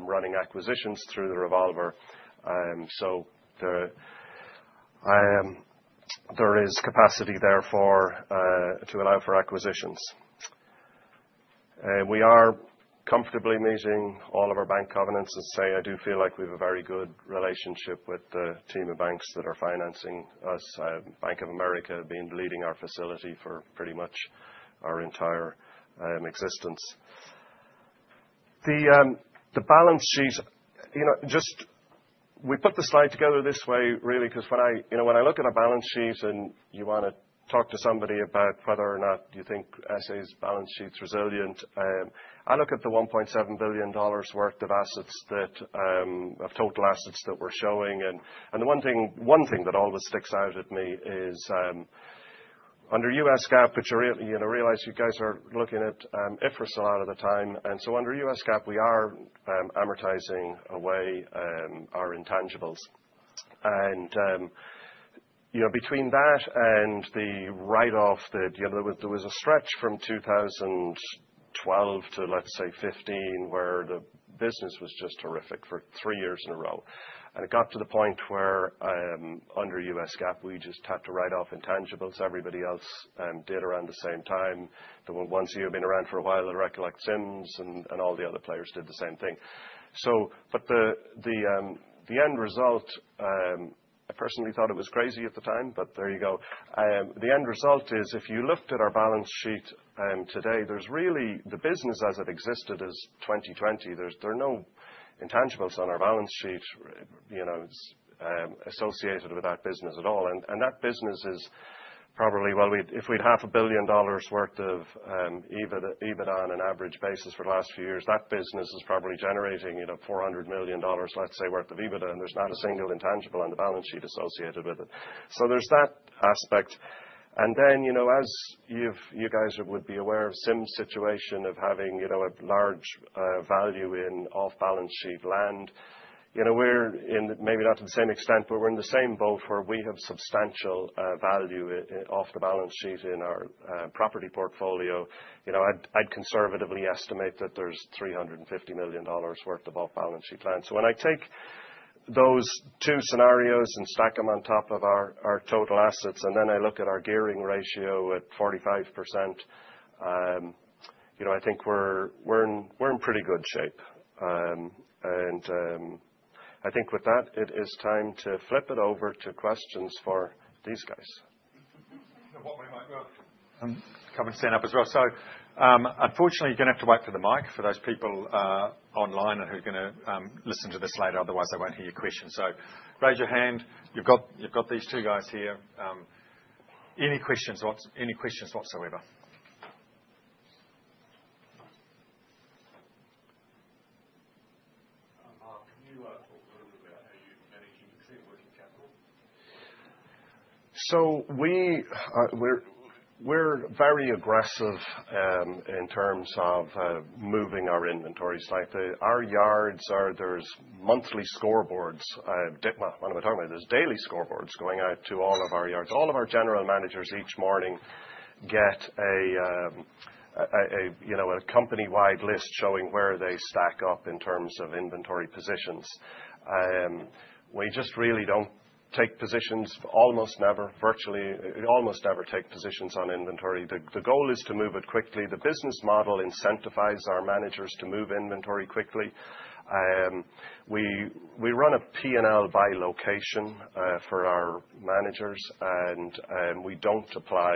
running acquisitions through the revolver. So there is capacity therefore to allow for acquisitions. We are comfortably meeting all of our bank covenants, and, say, I do feel like we have a very good relationship with the team of banks that are financing us, Bank of America being leading our facility for pretty much our entire existence. The balance sheet, just we put the slide together this way really because when I look at a balance sheet and you want to talk to somebody about whether or not you think SA's balance sheet's resilient, I look at the $1.7 billion worth of assets, of total assets, that we're showing. And the one thing that always sticks out at me is under US GAAP, which I realize you guys are looking at IFRS a lot of the time. And so under US GAAP, we are amortizing away our intangibles. And between that and the write-off, there was a stretch from 2012 to, let's say, 2015 where the business was just horrific for three years in a row. And it got to the point where under US GAAP, we just had to write off intangibles. Everybody else did around the same time. The ones who been around for a while at Sims and all the other players did the same thing. But the end result, I personally thought it was crazy at the time, but there you go. The end result is if you looked at our balance sheet today, there's really the business as it existed is 2020. There are no intangibles on our balance sheet associated with that business at all. And that business is probably, well, if we'd $500 million worth of EBITDA on an average basis for the last few years, that business is probably generating $400 million, let's say, worth of EBITDA. And there's not a single intangible on the balance sheet associated with it. So there's that aspect. And then as you guys would be aware of Sims' situation of having a large value in off-balance sheet land, we're in maybe not to the same extent, but we're in the same boat where we have substantial value off the balance sheet in our property portfolio. I'd conservatively estimate that there's $350 million worth of off-balance sheet land. So when I take those two scenarios and stack them on top of our total assets and then I look at our gearing ratio at 45%, I think we're in pretty good shape. And I think with that, it is time to flip it over to questions for these guys. Coming to stand up as well. So unfortunately, you're going to have to wait for the mic for those people online who are going to listen to this later, otherwise I won't hear your questions. So raise your hand. You've got these two guys here. Any questions whatsoever? Can you talk a little bit about how you're managing the current working capital? So we're very aggressive in terms of moving our inventory. Our yards, there's monthly scoreboards. One of my colleagues, there's daily scoreboards going out to all of our yards. All of our general managers each morning get a company-wide list showing where they stack up in terms of inventory positions. We just really don't take positions, almost never, virtually almost never take positions on inventory. The goal is to move it quickly. The business model incentivizes our managers to move inventory quickly. We run a P&L by location for our managers, and we don't apply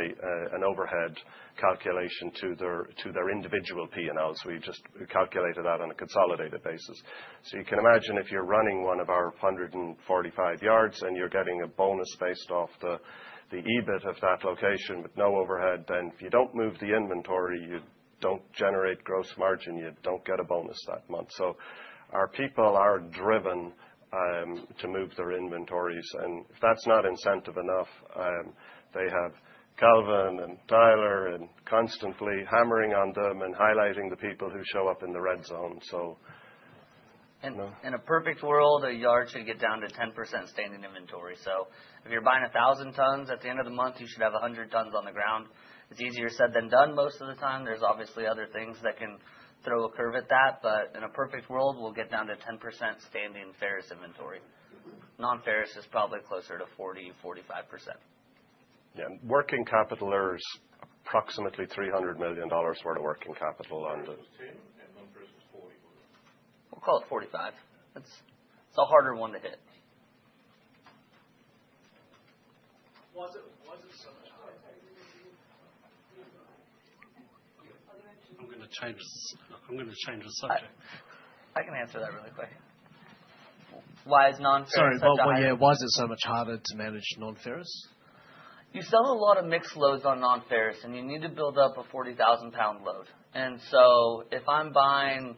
an overhead calculation to their individual P&Ls. We just calculate it out on a consolidated basis. So you can imagine if you're running one of our 145 yards and you're getting a bonus based off the EBIT of that location with no overhead, then if you don't move the inventory, you don't generate gross margin, you don't get a bonus that month. So our people are driven to move their inventories. If that's not incentive enough, they have Kalvin and Tyler constantly hammering on them and highlighting the people who show up in the red zone. In a perfect world, a yard should get down to 10% standing inventory. If you're buying 1,000 tons, at the end of the month, you should have 100 tons on the ground. It's easier said than done most of the time. There's obviously other things that can throw a curve at that. In a perfect world, we'll get down to 10% standing ferrous inventory. Non-ferrous is probably closer to 40%-45%. Yeah. Working capital is approximately $300 million worth of working capital on the. One person's 10 and one person's 40. We'll call it 45. It's a harder one to hit. I'm going to change the subject. I can answer that really quick. Why is non-ferrous? Sorry. Was it so much harder to manage non-ferrous? You sell a lot of mixed loads on non-ferrous, and you need to build up a 40,000-pound load, and so if I'm buying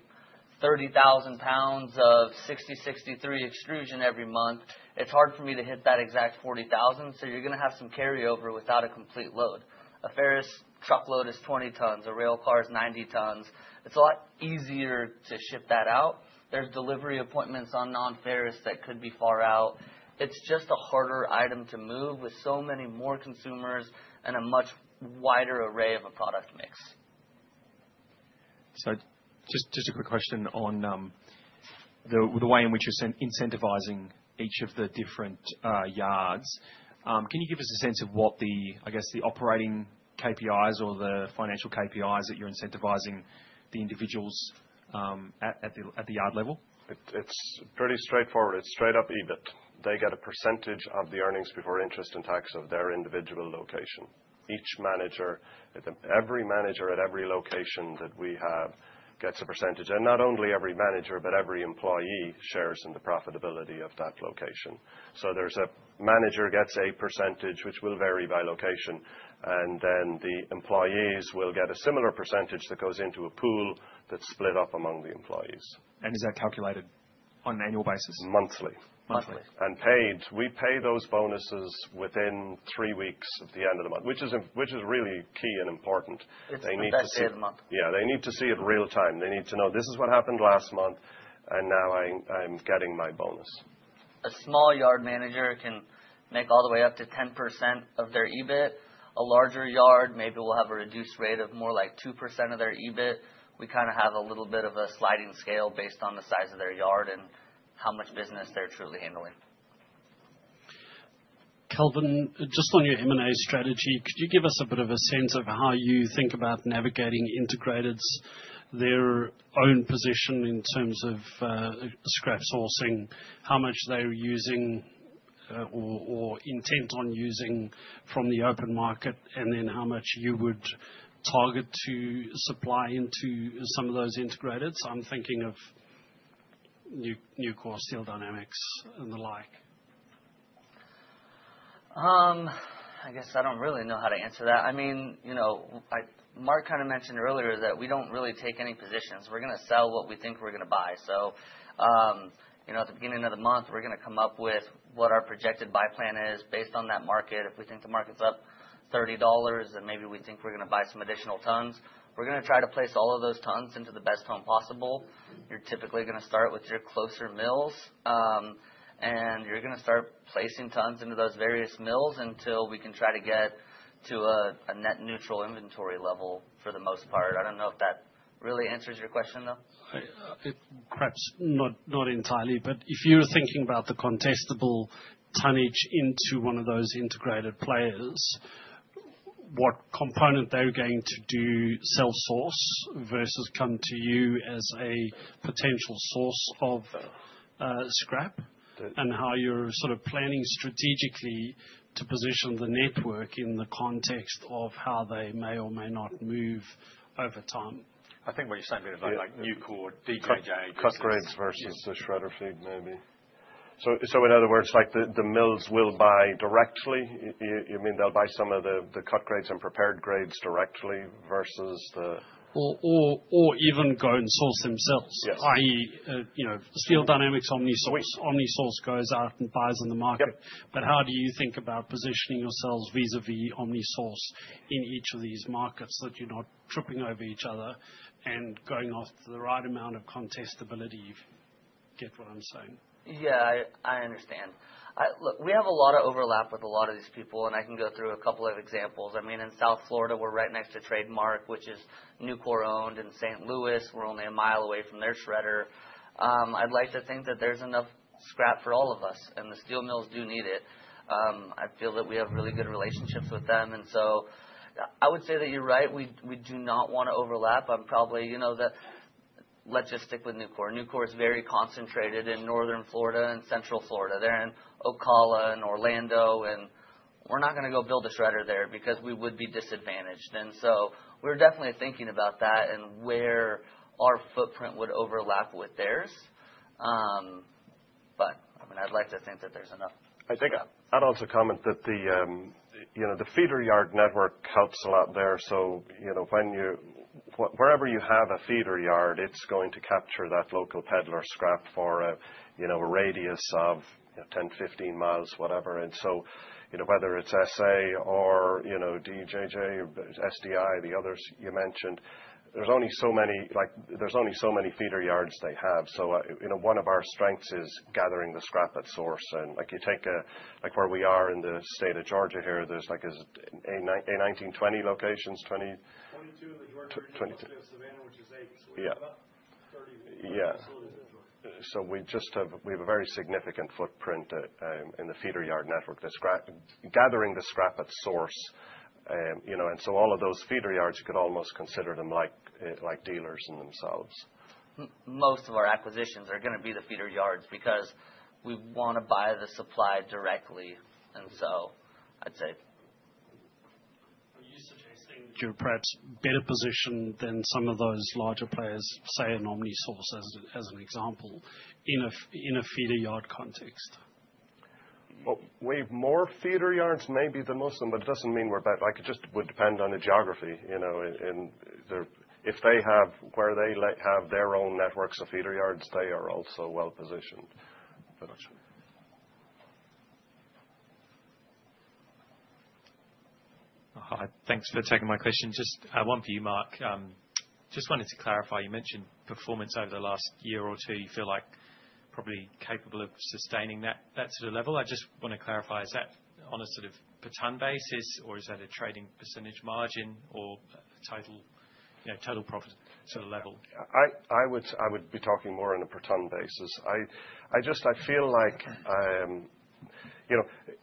30,000 pounds of 6063 extrusion every month, it's hard for me to hit that exact 40,000, so you're going to have some carryover without a complete load. A ferrous truckload is 20 tons. A railcar is 90 tons. It's a lot easier to ship that out. There's delivery appointments on non-ferrous that could be far out. It's just a harder item to move with so many more consumers and a much wider array of a product mix. So just a quick question on the way in which you're incentivizing each of the different yards. Can you give us a sense of what the, I guess, the operating KPIs or the financial KPIs that you're incentivizing the individuals at the yard level? It's pretty straightforward. It's straight up EBIT. They get a percentage of the earnings before interest and tax of their individual location. Each manager, every manager at every location that we have gets a percentage. And not only every manager, but every employee shares in the profitability of that location. So there's a manager gets a percentage, which will vary by location. And then the employees will get a similar percentage that goes into a pool that's split up among the employees. And is that calculated on an annual basis? Monthly. Monthly. And paid, we pay those bonuses within three weeks of the end of the month, which is really key and important. They need to see it. Yeah. They need to see it real time. They need to know, "This is what happened last month, and now I'm getting my bonus." A small yard manager can make all the way up to 10% of their EBIT. A larger yard maybe will have a reduced rate of more like 2% of their EBIT. We kind of have a little bit of a sliding scale based on the size of their yard and how much business they're truly handling. Kalvin, just on your M&A strategy, could you give us a bit of a sense of how you think about navigating integrateds, their own position in terms of scrap sourcing, how much they're using or intent on using from the open market, and then how much you would target to supply into some of those integrateds? I'm thinking of Nucor, Steel Dynamics and the like. I guess I don't really know how to answer that. I mean, Mark kind of mentioned earlier that we don't really take any positions. We're going to sell what we think we're going to buy. So at the beginning of the month, we're going to come up with what our projected buy plan is based on that market. If we think the market's up $30 and maybe we think we're going to buy some additional tons, we're going to try to place all of those tons into the best home possible. You're typically going to start with your closer mills, and you're going to start placing tons into those various mills until we can try to get to a net neutral inventory level for the most part. I don't know if that really answers your question, though. Perhaps not entirely, but if you're thinking about the contestable tonnage into one of those intergrated players, what component they're going to do self-source versus come to you as a potential source of scrap and how you're sort of planning strategically to position the network in the context of how they may or may not move over time? I think what you're saying a bit about Nucor, intergrated grades. Cut grades versus the shredder feed, maybe. So in other words, the mills will buy directly. You mean they'll buy some of the cut grades and prepared grades directly versus the. Or even go and source themselves, i.e., Steel Dynamics OmniSource goes out and buys in the market. But how do you think about positioning yourselves vis-à-vis OmniSource in each of these markets that you're not tripping over each other and going off the right amount of contestability? You get what I'm saying? Yeah, I understand. We have a lot of overlap with a lot of these people, and I can go through a couple of examples. I mean, in South Florida, we're right next to Trademark, which is Nucor owned. In St. Louis, we're only a mile away from their shredder. I'd like to think that there's enough scrap for all of us, and the steel mills do need it. I feel that we have really good relationships with them. And so I would say that you're right. We do not want to overlap. Let's just stick with Nucor. Nucor is very concentrated in northern Florida and central Florida. They're in Ocala and Orlando, and we're not going to go build a shredder there because we would be disadvantaged. And so we're definitely thinking about that and where our footprint would overlap with theirs. But I mean, I'd like to think that there's enough. I think I'd also comment that the feeder yard network helps a lot there. So wherever you have a feeder yard, it's going to capture that local peddler scrap for a radius of 10, 15 miles, whatever. And so whether it's SA or DJJ or SDI, the others you mentioned, there's only so many feeder yards they have. So one of our strengths is gathering the scrap at source. And you take where we are in the state of Georgia here, there's 19-20 locations, 20-22 in the Georgia region, which is eight. So we have about 30 more in Georgia. So we have a very significant footprint in the feeder yard network, gathering the scrap at source. And so all of those feeder yards, you could almost consider them like dealers in themselves. Most of our acquisitions are going to be the feeder yards because we want to buy the supply directly, and so I'd say. Are you suggesting that you're perhaps better positioned than some of those larger players, say, an OmniSource as an example, in a feeder yard context? We have more feeder yards, maybe than most of them, but it doesn't mean we're better. It just would depend on the geography. If they have where they have their own networks of feeder yards, they are also well positioned. Thanks for taking my question. Just one for you, Mark. Just wanted to clarify. You mentioned performance over the last year or two. You feel like probably capable of sustaining that sort of level. I just want to clarify. Is that on a sort of per ton basis, or is that a trading percentage margin or total profit sort of level? I would be talking more on a per ton basis. I feel like if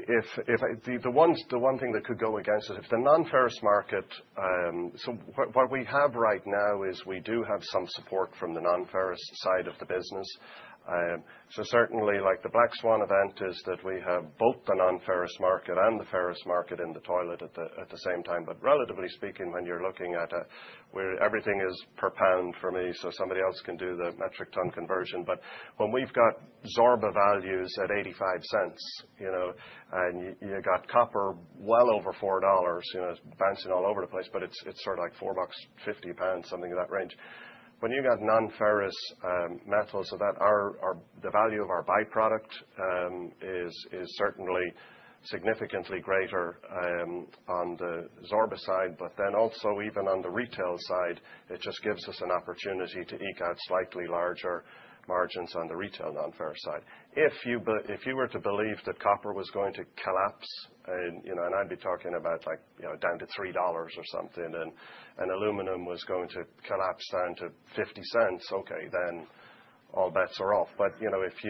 the one thing that could go against us, if the non-ferrous market so what we have right now is we do have some support from the non-ferrous side of the business. So certainly, the Black Swan event is that we have both the non-ferrous market and the ferrous market in the toilet at the same time. But relatively speaking, when you're looking at it, everything is per pound for me, so somebody else can do the metric ton conversion. But when we've got Zorba values at $0.85 and you've got copper well over $4, bouncing all over the place, but it's sort of like $4.50 per pound, something in that range. When you've got non-ferrous metals, the value of our byproduct is certainly significantly greater on the Zorba side, but then also even on the retail side, it just gives us an opportunity to eke out slightly larger margins on the retail non-ferrous side. If you were to believe that copper was going to collapse, and I'd be talking about down to $3 or something, and aluminum was going to collapse down to $0.50, okay, then all bets are off. But if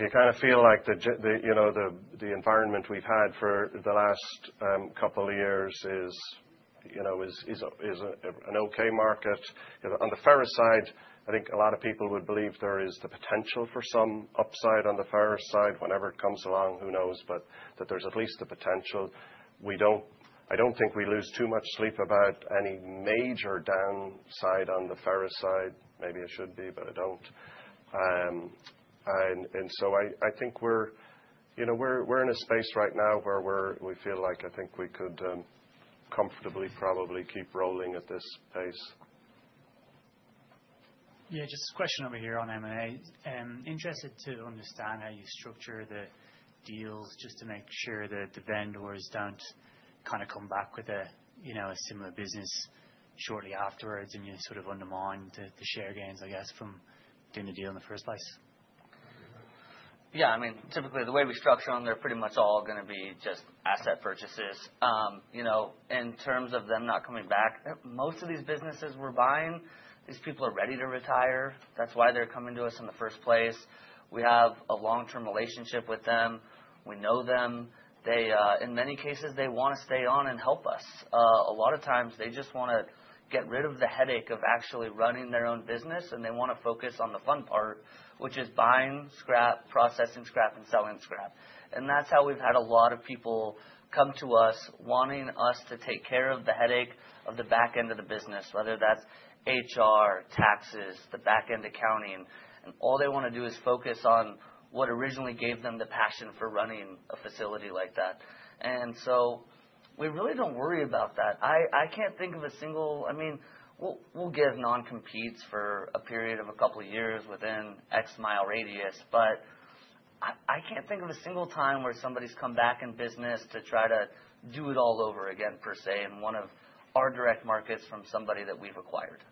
you kind of feel like the environment we've had for the last couple of years is an okay market. On the ferrous side, I think a lot of people would believe there is the potential for some upside on the ferrous side. Whenever it comes along, who knows, but that there's at least the potential. I don't think we lose too much sleep about any major downside on the ferrous side. Maybe I should be, but I don't. And so I think we're in a space right now where we feel like I think we could comfortably probably keep rolling at this pace. Yeah. Just a question over here on M&A. Interested to understand how you structure the deals just to make sure that the vendors don't kind of come back with a similar business shortly afterwards and you sort of undermine the share gains, I guess, from doing the deal in the first place. Yeah. I mean, typically, the way we structure them, they're pretty much all going to be just asset purchases. In terms of them not coming back, most of these businesses we're buying, these people are ready to retire. That's why they're coming to us in the first place. We have a long-term relationship with them. We know them. In many cases, they want to stay on and help us. A lot of times, they just want to get rid of the headache of actually running their own business, and they want to focus on the fun part, which is buying scrap, processing scrap, and selling scrap. And that's how we've had a lot of people come to us wanting us to take care of the headache of the back end of the business, whether that's HR, taxes, the back end accounting. And all they want to do is focus on what originally gave them the passion for running a facility like that. And so we really don't worry about that. I can't think of a single. I mean, we'll give non-competes for a period of a couple of years within X mile radius, but I can't think of a single time where somebody's come back in business to try to do it all over again, per se, in one of our direct markets from somebody that we've acquired.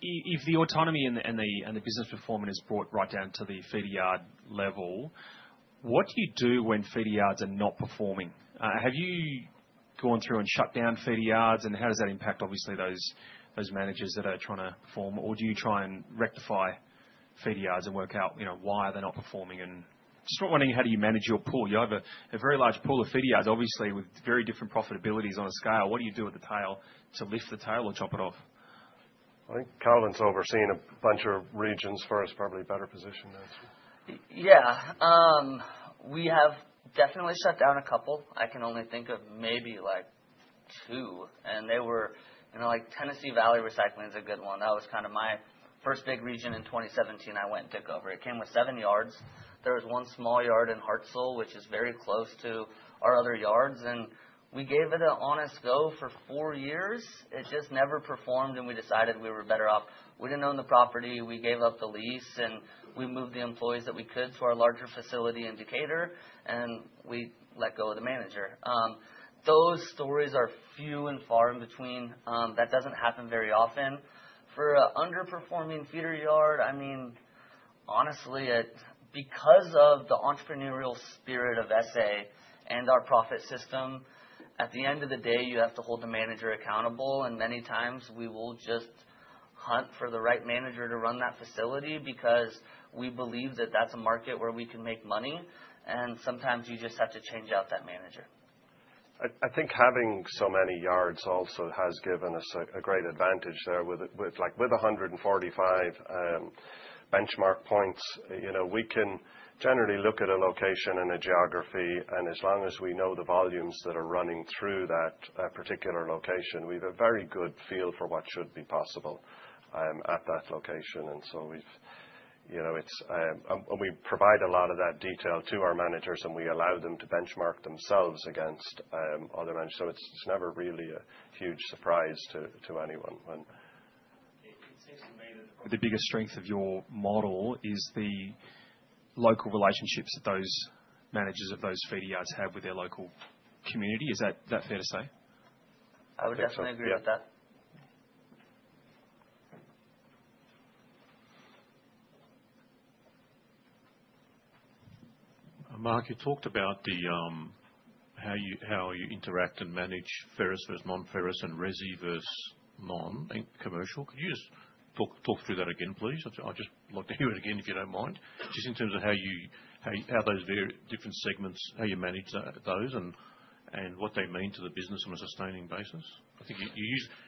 If the autonomy and the business performance is brought right down to the feeder yard level, what do you do when feeder yards are not performing? Have you gone through and shut down feeder yards, and how does that impact, obviously, those managers that are trying to perform? Or do you try and rectify feeder yards and work out why they're not performing? And just wondering how do you manage your pool? You have a very large pool of feeder yards, obviously, with very different profitabilities on a scale. What do you do with the tail to lift the tail or chop it off? I think Kalvin's overseeing a bunch of regions. Ferrous is probably a better position. Yeah. We have definitely shut down a couple. I can only think of maybe two, and they were like Tennessee Valley Recycling is a good one. That was kind of my first big region in 2017, I went and took over. It came with seven yards. There was one small yard in Hartselle, which is very close to our other yards, and we gave it an honest go for four years. It just never performed, and we decided we were better off. We didn't own the property. We gave up the lease, and we moved the employees that we could to our larger facility in Decatur, and we let go of the manager. Those stories are few and far in between. That doesn't happen very often. For an underperforming feeder yard, I mean, honestly, because of the entrepreneurial spirit of SA and our profit system, at the end of the day, you have to hold the manager accountable, and many times, we will just hunt for the right manager to run that facility because we believe that that's a market where we can make money, and sometimes, you just have to change out that manager. I think having so many yards also has given us a great advantage there. With 145 benchmark points, we can generally look at a location and a geography, and as long as we know the volumes that are running through that particular location, we have a very good feel for what should be possible at that location. And so we provide a lot of that detail to our managers, and we allow them to benchmark themselves against other managers. So it's never really a huge surprise to anyone. It seems to me that the biggest strength of your model is the local relationships that those managers of those feeder yards have with their local community. Is that fair to say? I would definitely agree with that. Mark, you talked about how you interact and manage ferrous versus non-ferrous and resi versus non-commercial. Could you just talk through that again, please? I'll just look through it again, if you don't mind, just in terms of how those different segments, how you manage those and what they mean to the business on a sustaining basis. I think you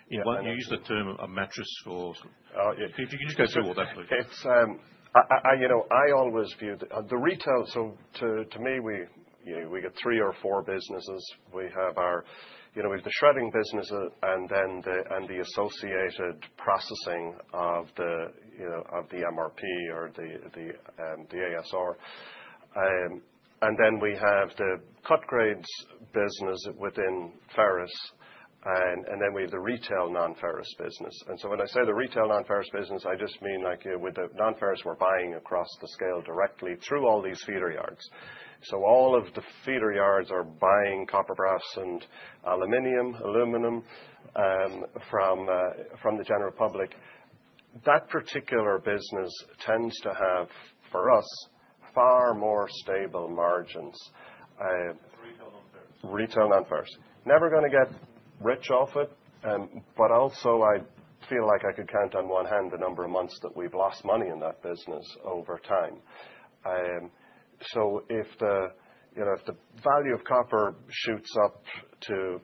used the term a matrix or. Oh, yeah. If you could just go through all that, please. I always viewed the retail. So to me, we get three or four businesses. We have the shredding business and then the associated processing of the MRP or the ASR. And then we have the cut grades business within ferrous. And then we have the retail non-ferrous business. And so when I say the retail non-ferrous business, I just mean with the non-ferrous, we're buying across the scale directly through all these feeder yards. So all of the feeder yards are buying copper brass and aluminum, aluminum from the general public. That particular business tends to have, for us, far more stable margins. Retail non-ferrous. Retail non-ferrous. Never going to get rich off it, but also I feel like I could count on one hand the number of months that we've lost money in that business over time. So if the value of copper shoots up to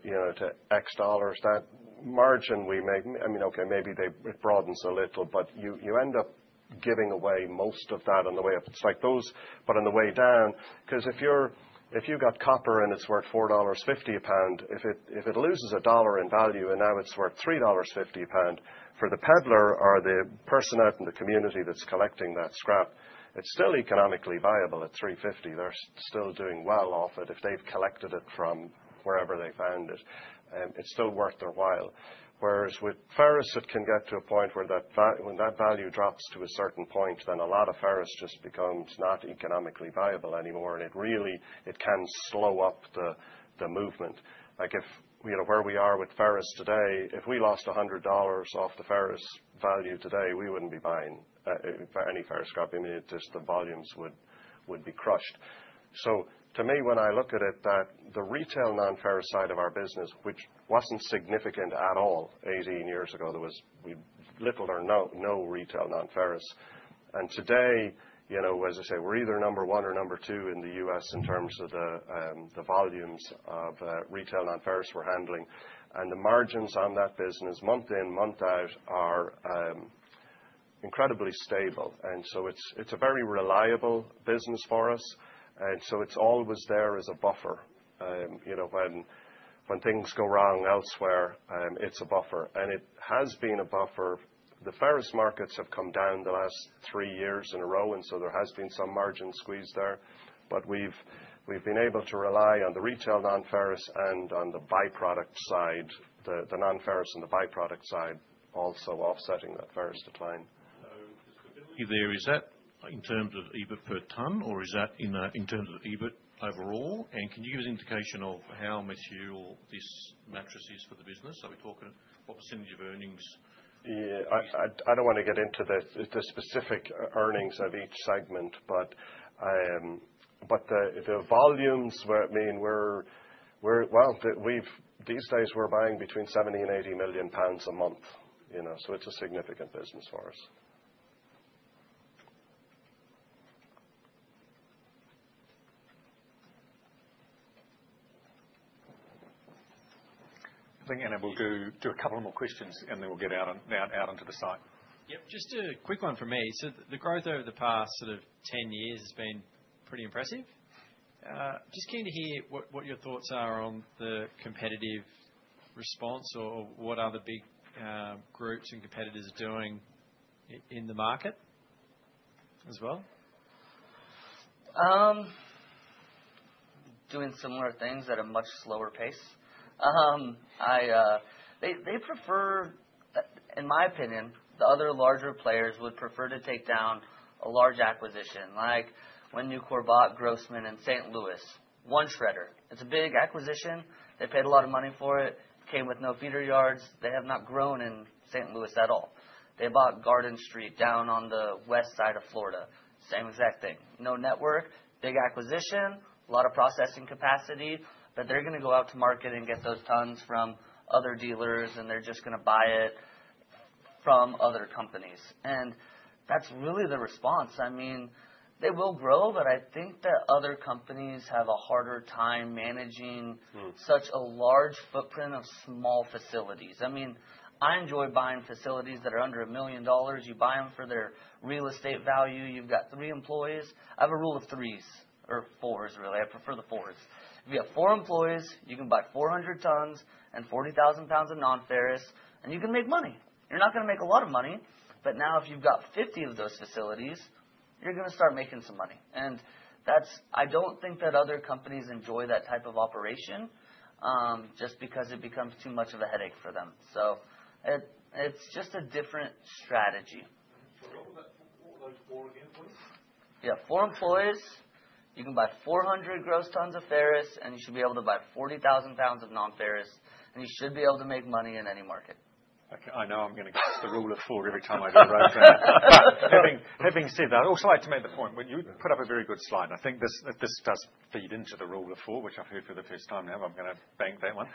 X dollars, that margin we make, I mean, okay, maybe it broadens a little, but you end up giving away most of that on the way up. It's like those, but on the way down, because if you've got copper and it's worth $4.50 a pound, if it loses a dollar in value and now it's worth $3.50 a pound for the peddler or the person out in the community that's collecting that scrap, it's still economically viable at $3.50. They're still doing well off it if they've collected it from wherever they found it. It's still worth their while. Whereas with ferrous, it can get to a point where when that value drops to a certain point, then a lot of ferrous just becomes not economically viable anymore, and it can slow up the movement. Where we are with ferrous today, if we lost $100 off the ferrous value today, we wouldn't be buying any ferrous scrap. I mean, just the volumes would be crushed. So to me, when I look at it, the retail non-ferrous side of our business, which wasn't significant at all 18 years ago, there was little or no retail non-ferrous. And today, as I say, we're either number one or number two in the US in terms of the volumes of retail non-ferrous we're handling. And the margins on that business, month in, month out, are incredibly stable. And so it's a very reliable business for us. And so it's always there as a buffer. When things go wrong elsewhere, it's a buffer. And it has been a buffer. The ferrous markets have come down the last three years in a row, and so there has been some margin squeeze there. But we've been able to rely on the retail non-ferrous and on the byproduct side, the non-ferrous and the byproduct side, also offsetting that ferrous decline. So just quickly, is that in terms of EBIT per ton, or is that in terms of EBIT overall? And can you give us an indication of how material this matter is for the business? Are we talking what percentage of earnings? Yeah. I don't want to get into the specific earnings of each segment, but the volumes, I mean, well, these days, we're buying between 70 and 80 million pounds a month. So it's a significant business for us. I think Ana will do a couple more questions, and then we'll get out into the site. Yep. Just a quick one for me. So the growth over the past sort of 10 years has been pretty impressive. Just keen to hear what your thoughts are on the competitive response or what other big groups and competitors are doing in the market as well? Doing similar things at a much slower pace. In my opinion, the other larger players would prefer to take down a large acquisition, like when Nucor bought Grossman in St. Louis, one shredder. It's a big acquisition. They paid a lot of money for it. It came with no feeder yards. They have not grown in St. Louis at all. They bought Garden Street down on the west side of Florida. Same exact thing. No network, big acquisition, a lot of processing capacity, but they're going to go out to market and get those tons from other dealers, and they're just going to buy it from other companies. And that's really the response. I mean, they will grow, but I think that other companies have a harder time managing such a large footprint of small facilities. I mean, I enjoy buying facilities that are under $1 million. You buy them for their real estate value. You've got three employees. I have a rule of threes or fours, really. I prefer the fours. If you have four employees, you can buy 400 tons and 40,000 pounds of non-ferrous, and you can make money. You're not going to make a lot of money, but now if you've got 50 of those facilities, you're going to start making some money. And I don't think that other companies enjoy that type of operation just because it becomes too much of a headache for them. So it's just a different strategy. What were those four again, please? Yeah. Four employees. You can buy 400 gross tons of ferrous, and you should be able to buy 40,000 pounds of non-ferrous, and you should be able to make money in any market. Okay. I know I'm going to guess the rule of four every time I do roadmap. Having said that, I also like to make the point. You put up a very good slide. I think this does feed into the rule of four, which I've heard for the first time now. I'm going to bank that one.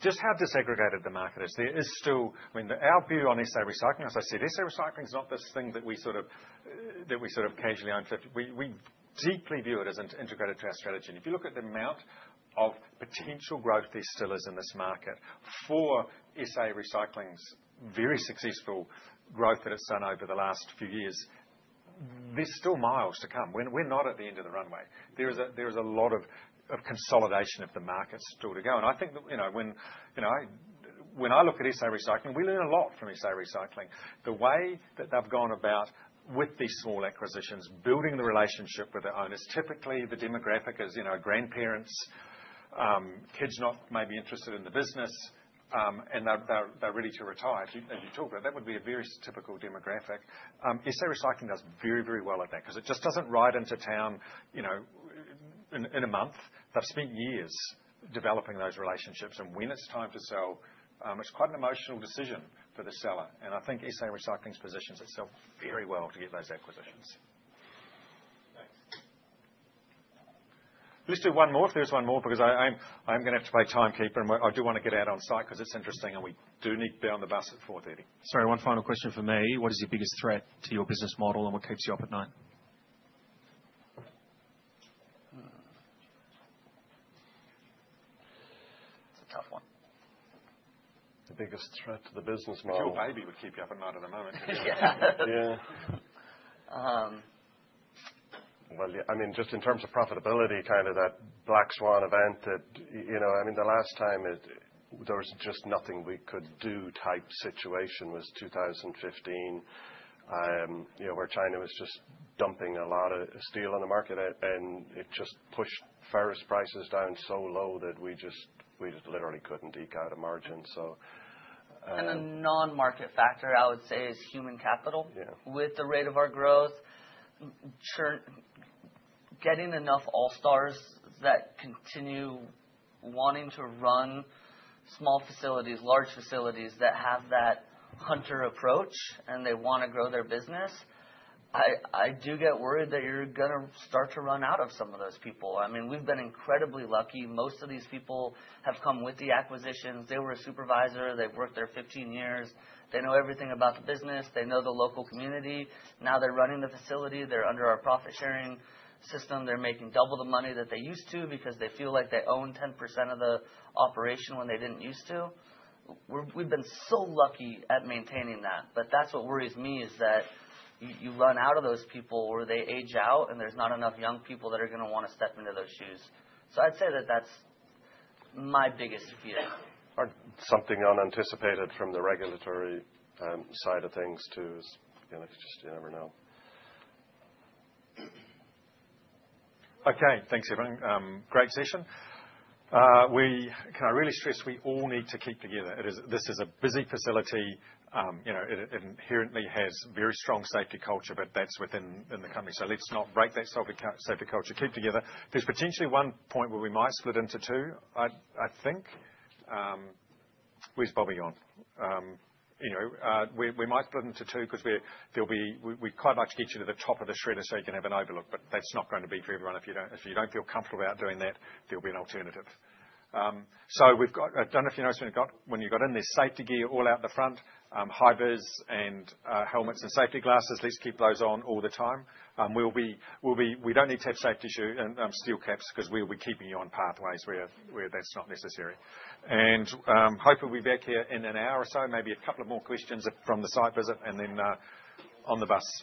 Just how fragmented the market is, there is still, I mean, our view on SA Recycling, as I said, SA Recycling is not this thing that we sort of casually own 50%. We deeply view it as an intergrated strategy. And if you look at the amount of potential growth there still is in this market for SA Recycling's very successful growth that it's done over the last few years, there's still miles to come. We're not at the end of the runway. There is a lot of consolidation of the market still to go. And I think when I look at SA Recycling, we learn a lot from SA Recycling. The way that they've gone about with these small acquisitions, building the relationship with the owners, typically the demographic is grandparents, kids not maybe interested in the business, and they're ready to retire, as you talk about. That would be a very typical demographic. SA Recycling does very, very well at that because it just doesn't ride into town in a month. They've spent years developing those relationships. And when it's time to sell, it's quite an emotional decision for the seller. And I think SA Recycling has positioned itself very well to get those acquisitions. Thanks. Let's do one more if there's one more because I'm going to have to play timekeeper, and I do want to get out on site because it's interesting, and we do need to be on the bus at 4:30 P.M. Sorry. One final question from me. What is your biggest threat to your business model, and what keeps you up at night? That's a tough one. The biggest threat to the business model. Inflation would keep you up at night at the moment. Yeah. I mean, just in terms of profitability, kind of that black swan event that, I mean, the last time there was just nothing we could do type situation was 2015 where China was just dumping a lot of steel on the market, and it just pushed ferrous prices down so low that we just literally couldn't eke out a margin, so. And the non-market factor, I would say, is human capital. With the rate of our growth, getting enough all-stars that continue wanting to run small facilities, large facilities that have that hunter approach, and they want to grow their business, I do get worried that you're going to start to run out of some of those people. I mean, we've been incredibly lucky. Most of these people have come with the acquisitions. They were a supervisor. They've worked there 15 years. They know everything about the business. They know the local community. Now they're running the facility. They're under our profit-sharing system. They're making double the money that they used to because they feel like they own 10% of the operation when they didn't used to. We've been so lucky at maintaining that. But that's what worries me, is that you run out of those people or they age out, and there's not enough young people that are going to want to step into those shoes. So I'd say that that's my biggest fear. Something unanticipated from the regulatory side of things too. It's just, you never know. Okay. Thanks, everyone. Great session. Can I really stress we all need to keep together? This is a busy facility. It inherently has very strong safety culture, but that's within the company. So let's not break that safety culture. Keep together. There's potentially one point where we might split into two, I think. Where's Bobby on? We might split into two because we'd quite like to get you to the top of the shredder so you can have an overlook, but that's not going to be for everyone. If you don't feel comfortable about doing that, there'll be an alternative. So I don't know if you noticed when you got in there, safety gear all out the front, high-vis and helmets and safety glasses. Let's keep those on all the time. We don't need to have safety shoes and steel caps because we'll be keeping you on pathways where that's not necessary, and hopefully, we'll be back here in an hour or so, maybe a couple of more questions from the site visit, and then on the bus.